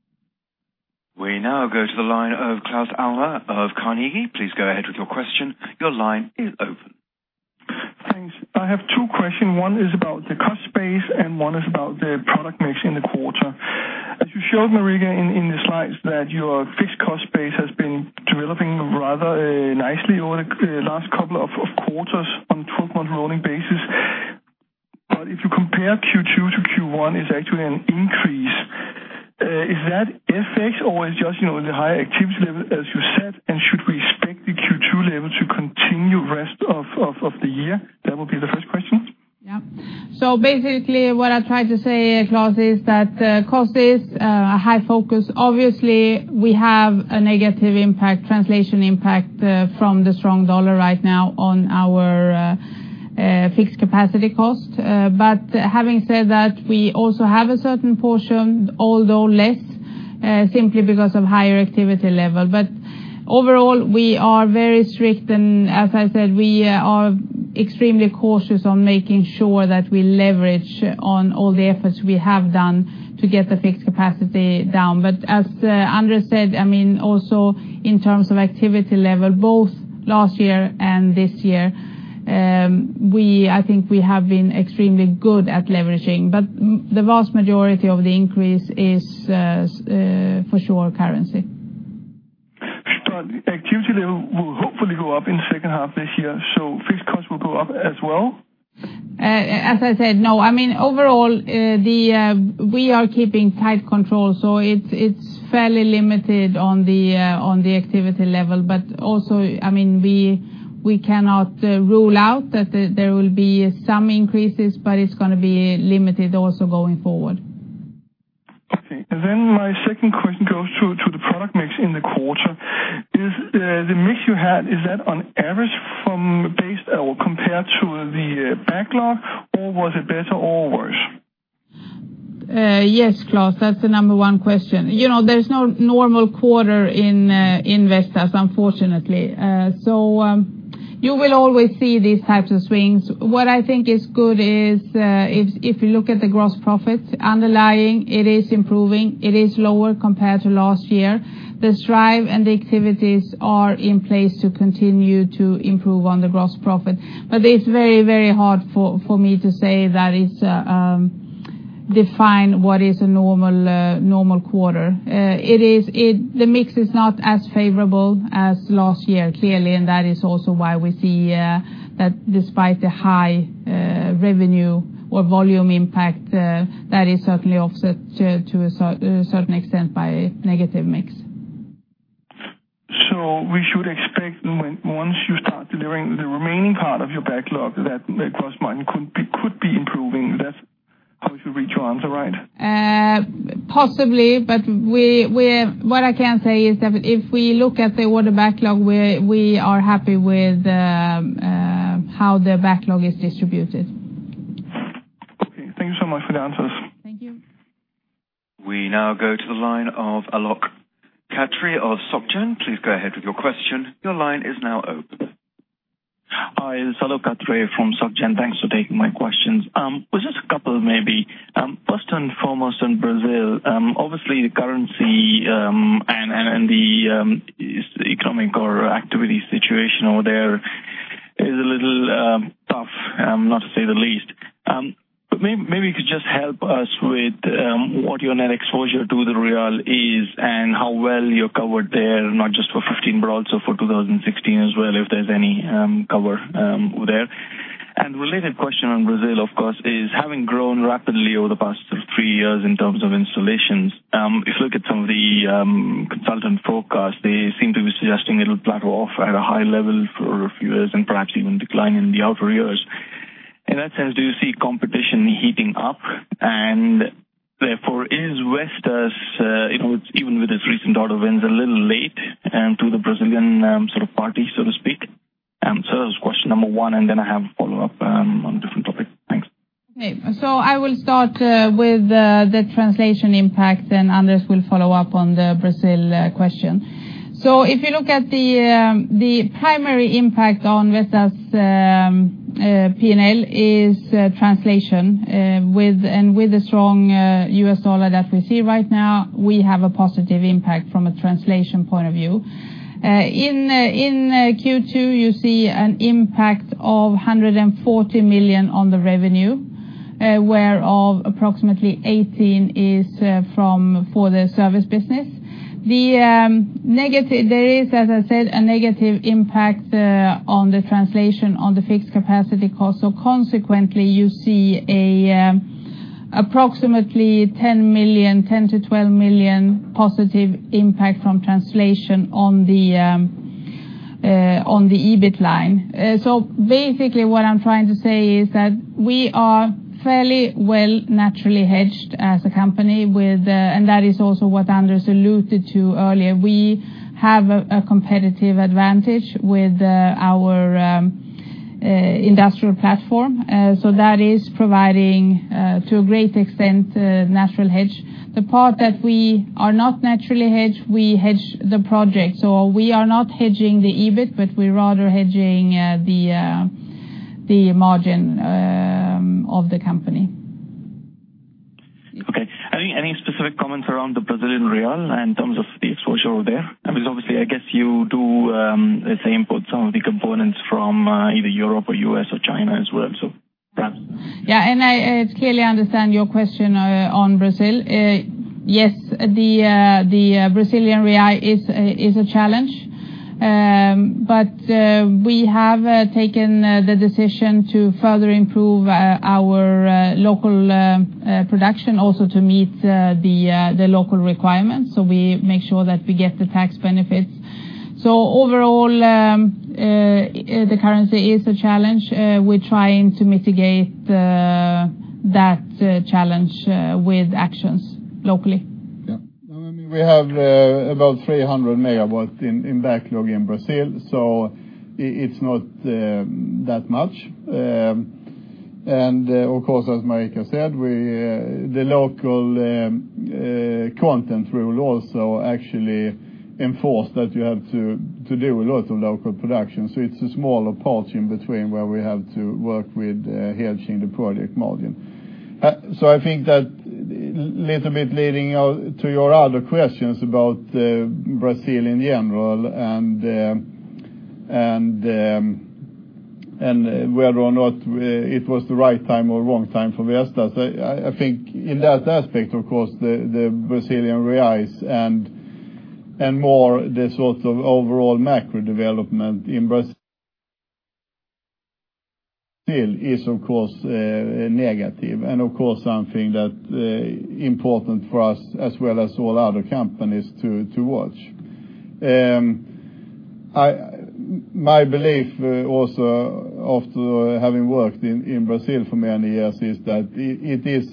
We now go to the line of Klaus Albert of Carnegie. Please go ahead with your question. Your line is open. Thanks. I have two questions. One is about the cost base, and one is about the product mix in the quarter. As you showed, Marika, in the slides that your fixed cost base has been developing rather nicely over the last couple of quarters on a 12-month rolling basis. If you compare Q2 to Q1, it's actually an increase. Is that FX or is just the high activity level, as you said? Should we expect the Q2 level to continue rest of the year? That would be the first question. Yeah. Basically, what I try to say, Casper, is that cost is a high focus. Obviously, we have a negative impact, translation impact from the strong dollar right now on our fixed capacity cost. Having said that, we also have a certain portion, although less, simply because of higher activity level. Overall, we are very strict, and as I said, we are extremely cautious on making sure that we leverage on all the efforts we have done to get the fixed capacity down. As Anders said, also in terms of activity level, both last year and this year, I think we have been extremely good at leveraging. The vast majority of the increase is for sure currency. Activity level will hopefully go up in the second half this year, so fixed costs will go up as well? As I said, no. Overall, we are keeping tight control, so it's fairly limited on the activity level. Also, we cannot rule out that there will be some increases, but it's going to be limited also going forward. Okay. My second question goes to the product mix in the quarter. Is the mix you had, is that on average from based or compared to the backlog? Or was it better or worse? Yes, Casper, that's the number one question. There's no normal quarter in Vestas, unfortunately. You will always see these types of swings. What I think is good is if you look at the gross profit underlying, it is improving. It is lower compared to last year. The drive and the activities are in place to continue to improve on the gross profit. It's very hard for me to say that it's define what is a normal quarter. The mix is not as favorable as last year, clearly, and that is also why we see that despite the high revenue or volume impact, that is certainly offset to a certain extent by negative mix. We should expect once you start delivering the remaining part of your backlog, that gross margin could be improving. That's how you reach your answer, right? Possibly, what I can say is that if we look at the order backlog, we are happy with how the backlog is distributed. Okay. Thank you so much for the answers. Thank you. We now go to the line of Alok Khatri of SocGen. Please go ahead with your question. Your line is now open. Hi, it's Alok Khatri from SocGen. Thanks for taking my questions. Was just a couple maybe. First and foremost on Brazil obviously the currency, and the economic or activity situation over there is a little tough, not to say the least. Maybe you could just help us with what your net exposure to the real is and how well you're covered there, not just for 2015, but also for 2016 as well, if there's any cover there. Related question on Brazil, of course, is having grown rapidly over the past three years in terms of installations, if you look at some of the consultant forecasts, they seem to be suggesting it'll plateau off at a high level for a few years and perhaps even decline in the outer years. In that sense, do you see competition heating up? Therefore, is Vestas, even with its recent order wins, a little late to the Brazilian party, so to speak? That was question number one, then I have a follow-up on a different topic. Thanks. Okay, I will start with the translation impact, then Anders will follow up on the Brazil question. If you look at the primary impact on Vestas P&L is translation, and with the strong U.S. dollar that we see right now, we have a positive impact from a translation point of view. In Q2, you see an impact of 140 million on the revenue, whereof approximately 18 is for the service business. There is, as I said, a negative impact on the translation on the fixed capacity cost, consequently, you see approximately 10 million to 12 million positive impact from translation on the EBIT line. Basically what I'm trying to say is that we are fairly well naturally hedged as a company with, and that is also what Anders alluded to earlier. We have a competitive advantage with our industrial platform. That is providing, to a great extent, natural hedge. The part that we are not naturally hedged, we hedge the project. We are not hedging the EBIT, but we're rather hedging the margin of the company. Okay. Any specific comments around the Brazilian real in terms of the exposure there? Because obviously, I guess you do, let's say, import some of the components from either Europe or U.S. or China as well, perhaps. Yeah. I clearly understand your question on Brazil. Yes, the Brazilian real is a challenge. We have taken the decision to further improve our local production also to meet the local requirements. We make sure that we get the tax benefits. Overall, the currency is a challenge. We're trying to mitigate that challenge with actions locally. Yeah. No, we have about 300 MW in backlog in Brazil, so it's not that much. Of course, as Marika said, the local content rule also actually enforce that you have to do a lot of local production. It's a smaller portion between where we have to work with hedging the project margin. I think that little bit leading to your other questions about Brazil in general and whether or not it was the right time or wrong time for Vestas. I think in that aspect, of course, the Brazilian reals and more the sort of overall macro development in Brazil is, of course, negative and of course, something that important for us as well as all other companies to watch. My belief also after having worked in Brazil for many years is that it is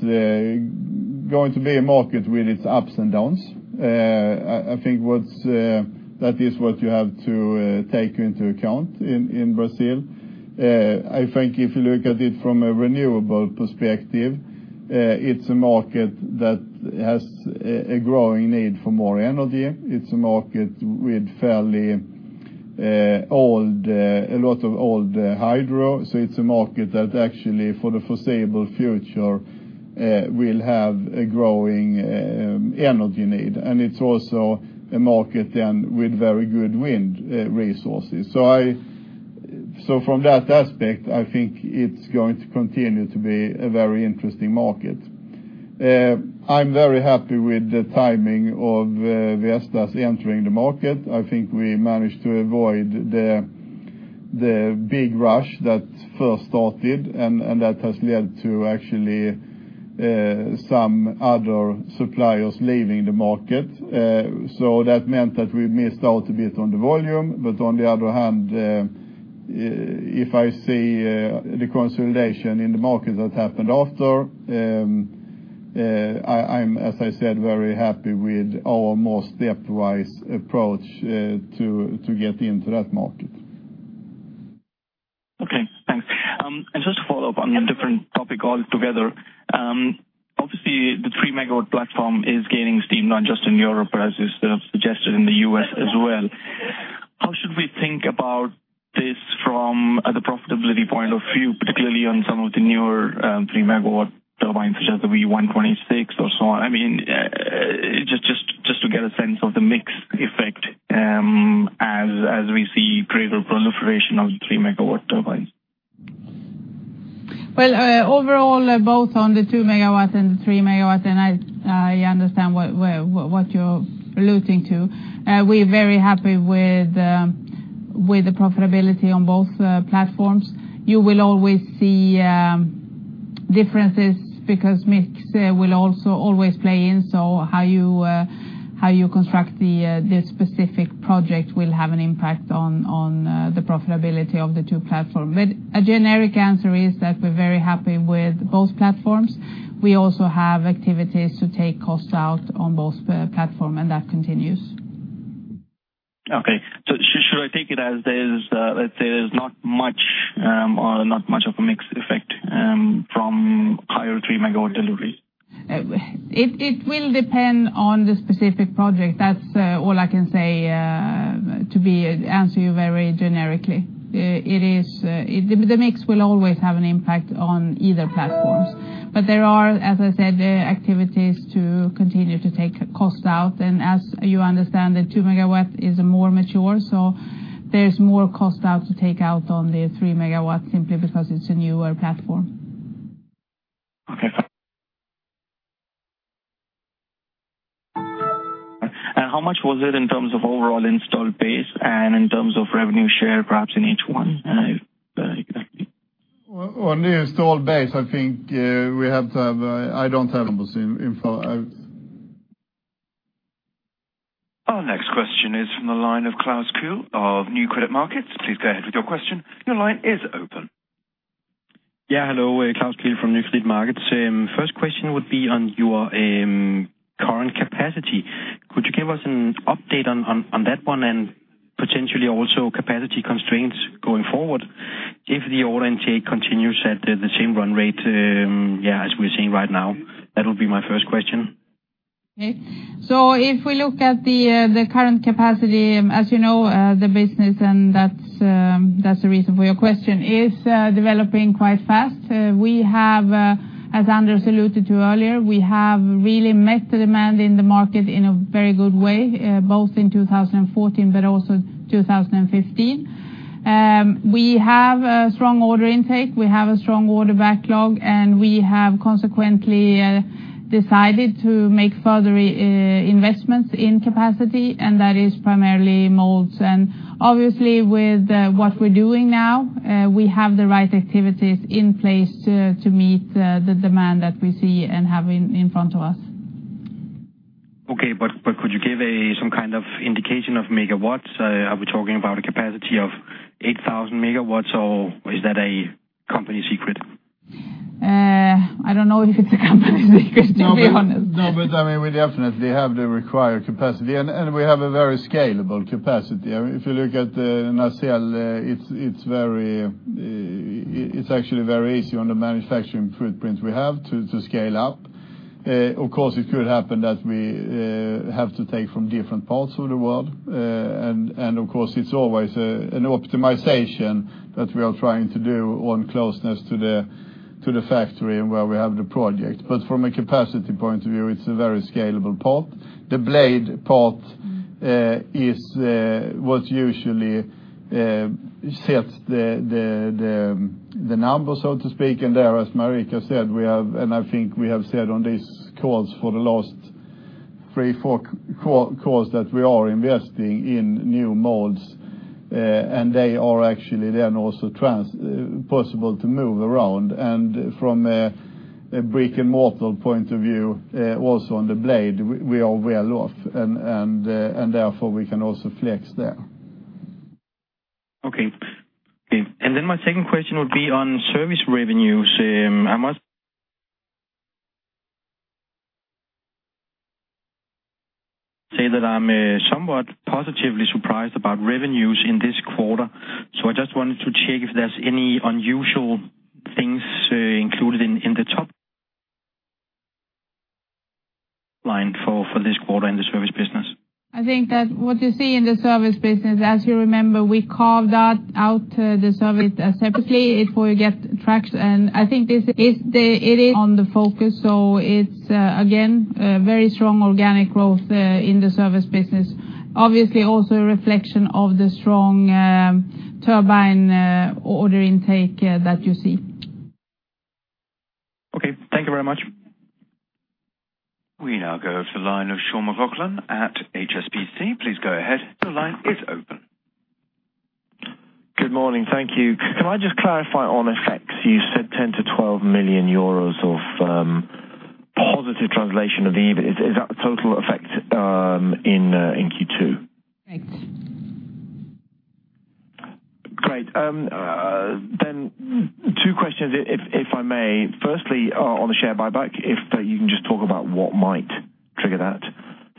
going to be a market with its ups and downs. I think that is what you have to take into account in Brazil. I think if you look at it from a renewable perspective, it's a market that has a growing need for more energy. It's a market with a lot of old hydro. It's a market that actually for the foreseeable future, will have a growing energy need. It's also a market then with very good wind resources. From that aspect, I think it's going to continue to be a very interesting market. I'm very happy with the timing of Vestas entering the market. I think we managed to avoid the big rush that first started, and that has led to actually some other suppliers leaving the market. That meant that we missed out a bit on the volume. On the other hand, if I see the consolidation in the market that happened after, I'm, as I said, very happy with our more stepwise approach to get into that market. Okay, thanks. Just to follow up on a different topic altogether. Obviously, the 3 MW platform is gaining steam, not just in Europe, but as is suggested in the U.S. as well. How should we think about this from the profitability point of view, particularly on some of the newer 3 MW turbines, such as the V126 or so on? Just to get a sense of the mix effect as we see greater proliferation of the 3 MW turbines. Well, overall, both on the 2 MW and the 3 MW, I understand what you're alluding to. We are very happy with the profitability on both platforms. You will always see differences because mix will also always play in. How you construct the specific project will have an impact on the profitability of the two platform. A generic answer is that we're very happy with both platforms. We also have activities to take cost out on both platform, that continues. Okay. Should I take it as there's not much of a mix effect from higher 3 MW deliveries? It will depend on the specific project. That's all I can say to answer you very generically. The mix will always have an impact on either platforms. There are, as I said, activities to continue to take cost out. As you understand, the 2 MW is more mature, there's more cost out to take out on the 3 MW simply because it's a newer platform. Okay, thanks. How much was it in terms of overall installed base and in terms of revenue share, perhaps in H1 exactly? On the installed base, I don't have info. Our next question is from the line of Claus Wiinblad of Nykredit Markets. Please go ahead with your question. Your line is open. Yeah. Hello. Claus Wiinblad from Nykredit Markets. First question would be on your current capacity. Could you give us an update on that one and potentially also capacity constraints going forward if the order intake continues at the same run rate, yeah, as we're seeing right now? That'll be my first question. If we look at the current capacity, as you know the business and that's the reason for your question, is developing quite fast. As Anders alluded to earlier, we have really met the demand in the market in a very good way, both in 2014 but also 2015. We have a strong order intake, we have a strong order backlog, and we have consequently decided to make further investments in capacity, and that is primarily molds. Obviously with what we're doing now, we have the right activities in place to meet the demand that we see and have in front of us. Could you give some kind of indication of megawatts? Are we talking about a capacity of 8,000 megawatts or is that a company secret? I don't know if it's a company secret, to be honest. We definitely have the required capacity and we have a very scalable capacity. If you look at the nacelle, it's actually very easy on the manufacturing footprint we have to scale up. Of course, it could happen that we have to take from different parts of the world. Of course, it's always an optimization that we are trying to do on closeness to the factory and where we have the project. From a capacity point of view, it's a very scalable part. The blade part is what usually sets the numbers, so to speak. There, as Marika said, and I think we have said on these calls for the last three, four calls that we are investing in new molds. They are actually then also possible to move around. From a brick-and-mortar point of view, also on the blade, we are well off and therefore we can also flex there. Okay. My second question would be on service revenues. I must say that I'm somewhat positively surprised about revenues in this quarter, so I just wanted to check if there's any unusual things included in the top line for this quarter in the service business. I think that what you see in the service business, as you remember, we carved that out the service separately if we get traction. I think it is on the focus. It's again, a very strong organic growth in the service business. Obviously, also a reflection of the strong turbine order intake that you see. Okay. Thank you very much. We now go to the line of Sean McLoughlin at HSBC. Please go ahead. The line is open. Good morning. Thank you. Can I just clarify on FX? You said 10 million to 12 million euros of positive translation of the EBIT. Is that the total effect in Q2? Right. Great. Two questions, if I may. Firstly, on the share buyback, if you can just talk about what might trigger that.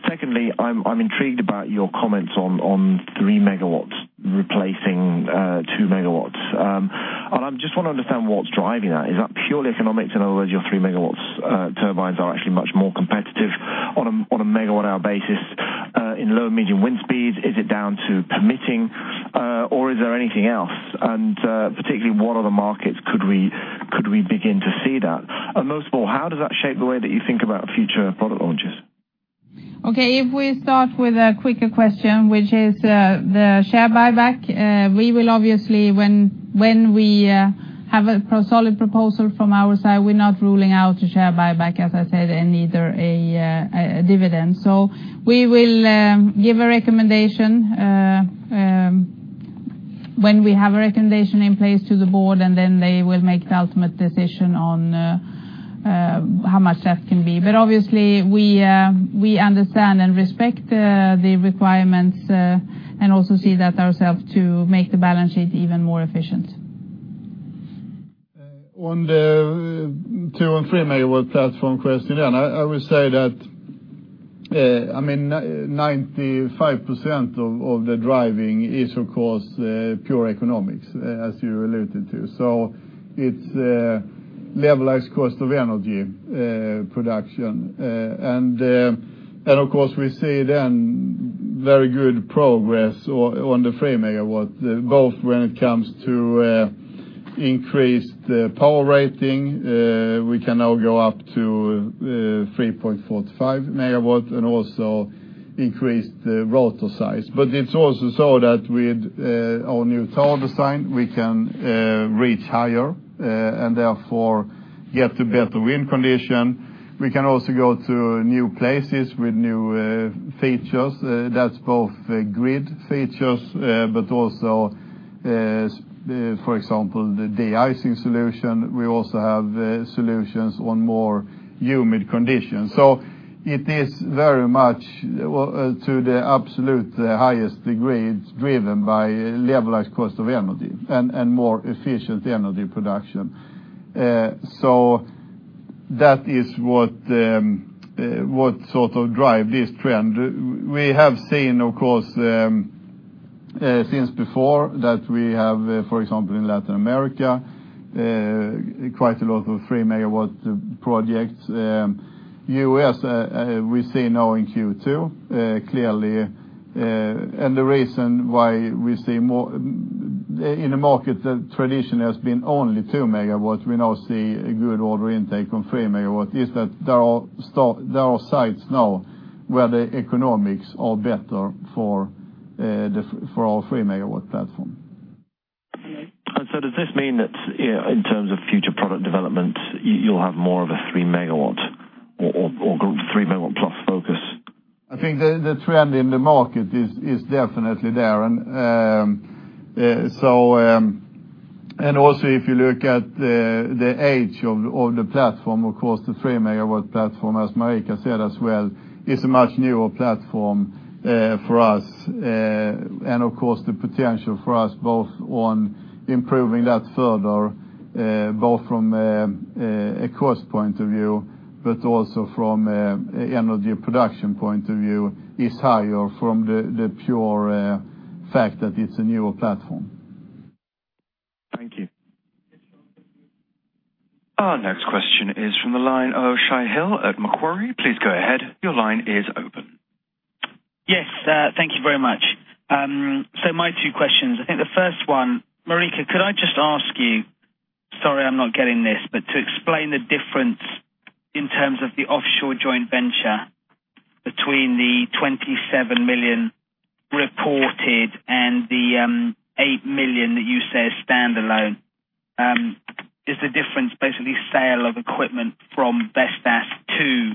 Secondly, I'm intrigued about your comments on 3 MW replacing 2 MW. I just want to understand what's driving that. Is that purely economics? In other words, your 3 MW turbines are actually much more competitive on a MWh basis in low, medium wind speeds? Is it down to permitting or is there anything else? Particularly, what other markets could we begin to see that? Most of all, how does that shape the way that you think about future product launches? Okay. If we start with a quicker question, which is the share buyback. We will obviously, when we have a solid proposal from our side, we're not ruling out a share buyback, as I said, either a dividend. We will give a recommendation when we have a recommendation in place to the board, then they will make the ultimate decision on how much that can be. Obviously, we understand and respect the requirements and also see that ourselves to make the balance sheet even more efficient. On the two and three megawatt platform question, I will say that 95% of the driving is, of course, pure economics, as you alluded to. It's levelized cost of energy production. Of course, we see then very good progress on the three megawatt, both when it comes to increased power rating. We can now go up to 3.45 megawatts and also increase the rotor size. It's also so that with our new tower design, we can reach higher and therefore get to better wind condition. We can also go to new places with new features. That's both grid features, but also, for example, the de-icing solution. We also have solutions on more humid conditions. It is very much to the absolute highest degree, it's driven by levelized cost of energy and more efficient energy production. That is what sort of drive this trend. We have seen, of course, since before that we have, for example, in Latin America, quite a lot of three-megawatt projects. U.S., we see now in Q2, clearly, the reason why in a market that traditionally has been only two megawatts, we now see a good order intake on three megawatts is that there are sites now where the economics are better for our three-megawatt platform. Does this mean that in terms of future product development, you'll have more of a three megawatt or three megawatt-plus focus? I think the trend in the market is definitely there. Also if you look at the age of the platform, of course, the three-megawatt platform, as Marika said as well, is a much newer platform for us. Of course, the potential for us both on improving that further, both from a cost point of view, but also from energy production point of view, is higher from the pure fact that it's a newer platform. Thank you. Our next question is from the line of Shai Hill at Macquarie. Please go ahead. Your line is open. Yes, thank you very much. My two questions, I think the first one, Marika, could I just ask you, sorry I'm not getting this, but to explain the difference in terms of the offshore joint venture between the 27 million reported and the 8 million that you say is standalone. Is the difference basically sale of equipment from Vestas to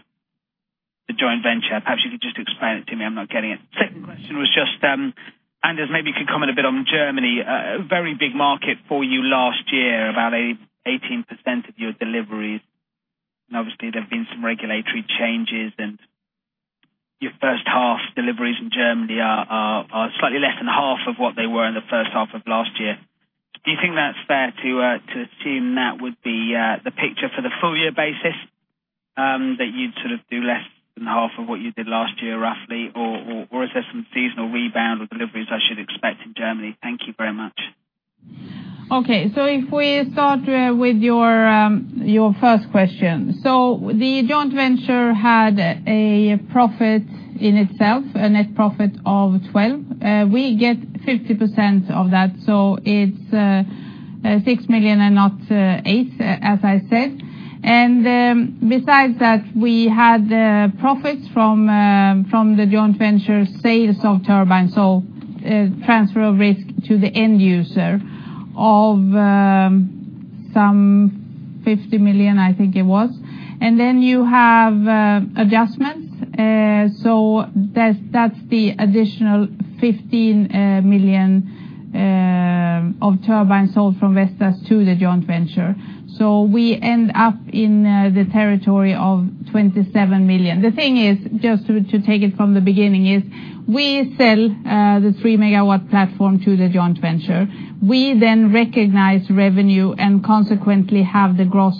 the joint venture? Perhaps you could just explain it to me. I'm not getting it. Second question was just, Anders, maybe you could comment a bit on Germany. A very big market for you last year, about 18% of your deliveries. Obviously, there have been some regulatory changes and your first half deliveries in Germany are slightly less than half of what they were in the first half of last year. Do you think that's fair to assume that would be the picture for the full year basis, that you'd sort of do less than half of what you did last year, roughly? Or is there some seasonal rebound with deliveries I should expect in Germany? Thank you very much. Okay. If we start with your first question. The joint venture had a profit in itself, a net profit of 12 million. We get 50% of that, it is 6 million and not 8 million, as I said. Besides that, we had profits from the joint venture sales of turbines, transfer of risk to the end user of some 50 million, I think it was. You have adjustments. That is the additional 15 million of turbines sold from Vestas to the joint venture. We end up in the territory of 27 million. The thing is, just to take it from the beginning, we sell the 3-megawatt platform to the joint venture. We recognize revenue and consequently have the gross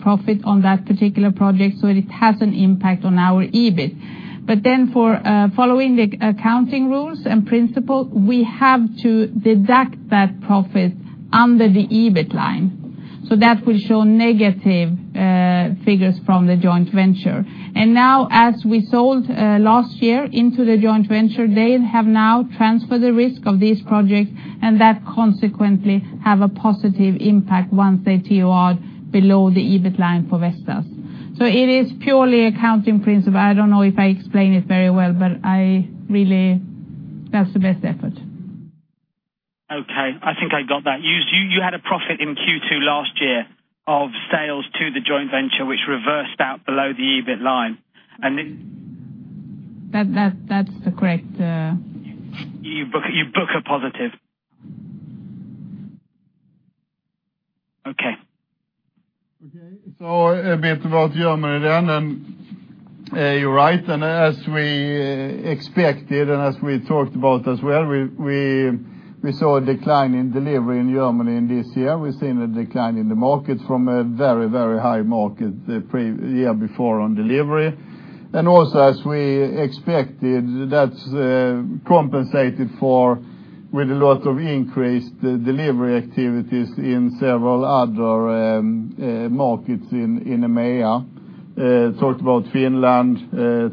profit on that particular project, so it has an impact on our EBIT. Following the accounting rules and principle, we have to deduct that profit under the EBIT line. That will show negative figures from the joint venture. Now, as we sold last year into the joint venture, they have now transferred the risk of these projects, and that consequently has a positive impact once they TOR below the EBIT line for Vestas. It is purely accounting principle. I do not know if I explained it very well, but that is the best effort. Okay. I think I got that. You had a profit in Q2 last year of sales to the joint venture, which reversed out below the EBIT line. It. That is the correct. You book a positive. Okay. Okay, a bit about Germany. You're right, as we expected and as we talked about as well, we saw a decline in delivery in Germany in this year. We've seen a decline in the market from a very, very high market the year before on delivery. As we expected, that's compensated for with a lot of increased delivery activities in several other markets in EMEA. Talked about Finland,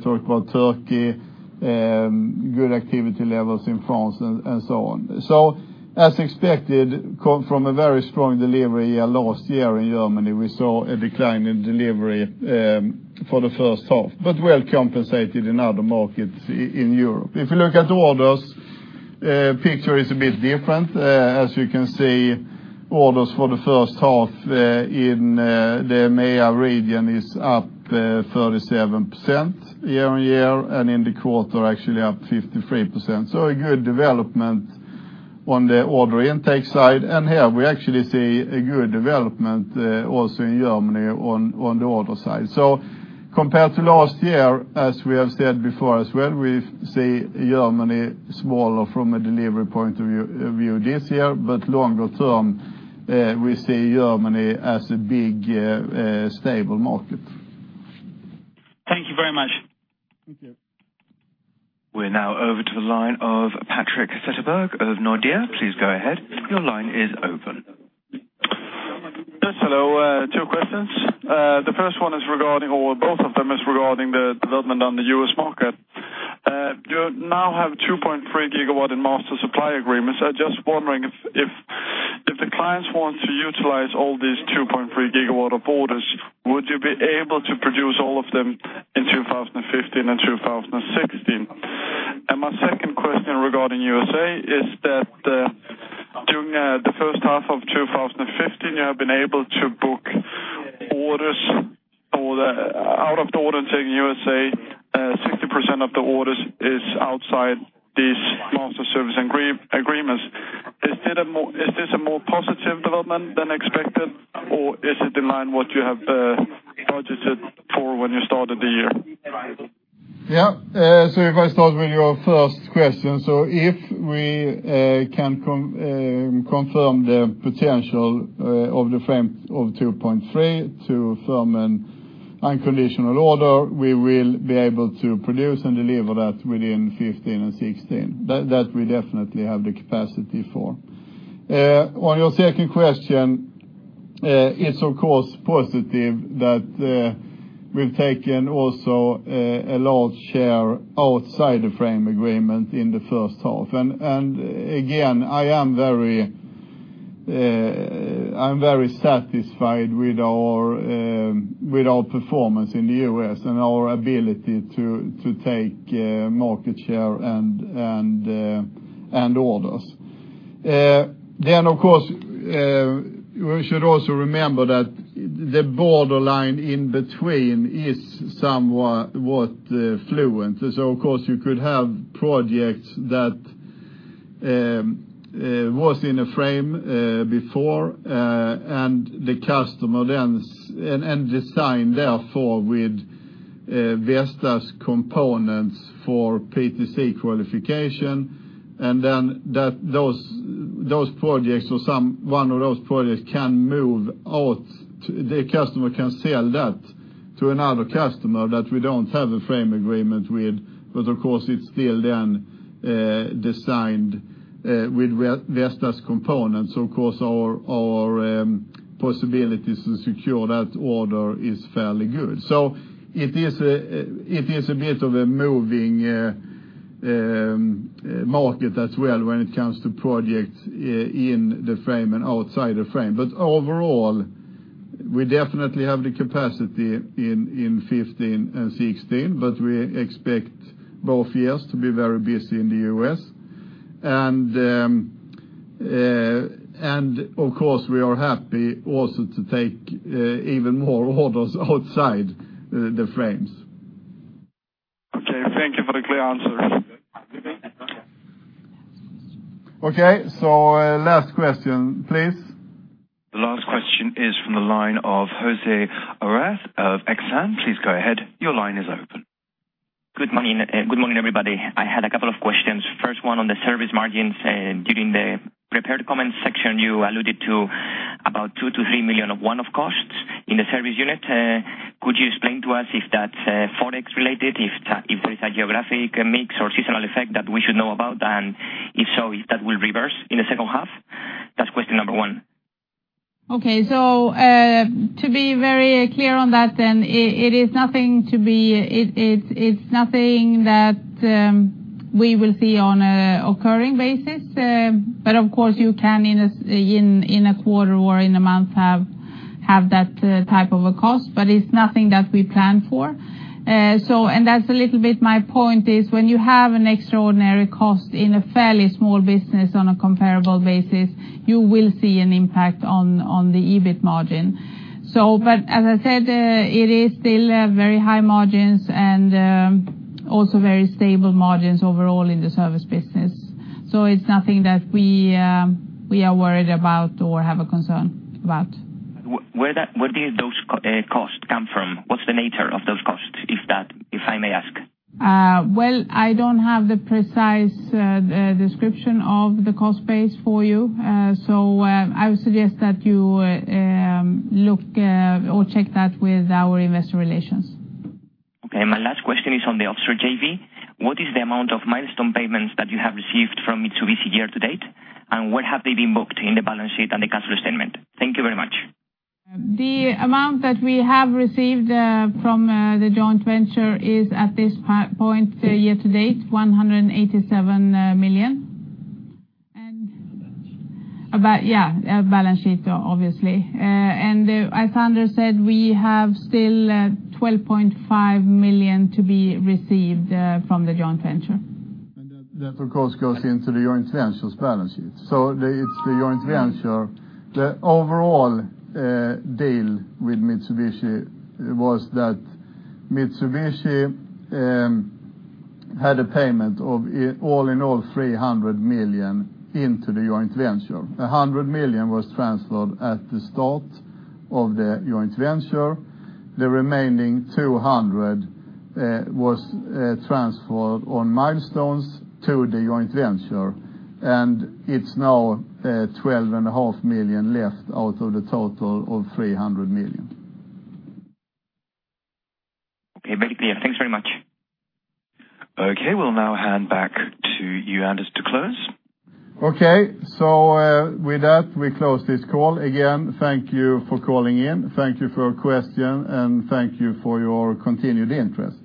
talked about Turkey, good activity levels in France, and so on. As expected, from a very strong delivery last year in Germany, we saw a decline in delivery for the first half, but well compensated in other markets in Europe. If you look at the orders, the picture is a bit different. As you can see, orders for the first half in the EMEA region is up 37% year-on-year, and in the quarter, actually up 53%. A good development on the order intake side. Here we actually see a good development also in Germany on the order side. Compared to last year, as we have said before as well, we see Germany smaller from a delivery point of view this year. Longer term, we see Germany as a big, stable market. Thank you very much. Thank you. We're now over to the line of [Patrick Sidelberg] of Nordea. Please go ahead. Your line is open. Yes. Hello. Two questions. The first one is regarding, or both of them is regarding the development on the U.S. market. You now have 2.3 gigawatt in master supply agreements. I am just wondering if the clients want to utilize all these 2.3 gigawatt of orders, would you be able to produce all of them in 2015 and 2016? My second question regarding U.S. is that, during the first half of 2015, you have been able to book orders for the out of the order intake U.S., 60% of the orders is outside these master service agreements. Is this a more positive development than expected, or is it in line what you have budgeted for when you started the year? Yeah. If I start with your first question, if we can confirm the potential of the frame of 2.3 to firm an unconditional order, we will be able to produce and deliver that within 2015 and 2016. That we definitely have the capacity for. On your second question, it is of course positive that we have taken also a large share outside the frame agreement in the first half. Again, I am very satisfied with our performance in the U.S. and our ability to take market share and orders. Of course, we should also remember that the borderline in between is somewhat fluent. Of course you could have projects that was in a frame before, and design therefore with Vestas components for PTC qualification, and then one of those projects the customer can sell that to another customer that we don't have a frame agreement with. Of course, it's still then designed with Vestas components. Of course, our possibilities to secure that order is fairly good. It is a bit of a moving market as well when it comes to projects in the frame and outside the frame. Overall, we definitely have the capacity in 2015 and 2016, but we expect both years to be very busy in the U.S. Of course, we are happy also to take even more orders outside the frames. Okay, thank you for the clear answers. Okay, last question, please. The last question is from the line of Jose Aras of Exane. Please go ahead. Your line is open. Good morning, everybody. I had a couple of questions. First one on the service margins. During the prepared comments section, you alluded to about 2 million-3 million of one-off costs in the service unit. Could you explain to us if that's Forex related, if there is a geographic mix or seasonal effect that we should know about? If so, if that will reverse in the second half? That's question number one. Okay. To be very clear on that, it's nothing that we will see on a recurring basis. Of course you can, in a quarter or in a month, have that type of a cost, but it's nothing that we plan for. That's a little bit my point is when you have an extraordinary cost in a fairly small business on a comparable basis, you will see an impact on the EBIT margin. As I said, it is still very high margins and also very stable margins overall in the service business. It's nothing that we are worried about or have a concern about. Where did those costs come from? What's the nature of those costs, if I may ask? I don't have the precise description of the cost base for you. I would suggest that you look or check that with our Investor Relations. Okay. My last question is on the offshore JV. What is the amount of milestone payments that you have received from Mitsubishi year to date, and where have they been booked in the balance sheet and the cash flow statement? Thank you very much. The amount that we have received from the joint venture is, at this point, year to date, 187 million. Balance sheet. Yeah, balance sheet, obviously. As Anders said, we have still 12.5 million to be received from the joint venture. That, of course, goes into the joint venture's balance sheet. It's the joint venture. The overall deal with Mitsubishi was that Mitsubishi had a payment of all in all 300 million into the joint venture. 100 million was transferred at the start of the joint venture. The remaining 200 was transferred on milestones to the joint venture. It's now 12.5 million left out of the total of 300 million. Okay, making it clear. Thanks very much. Okay, we'll now hand back to you, Anders, to close. Okay, with that, we close this call. Again, thank you for calling in. Thank you for your question, and thank you for your continued interest.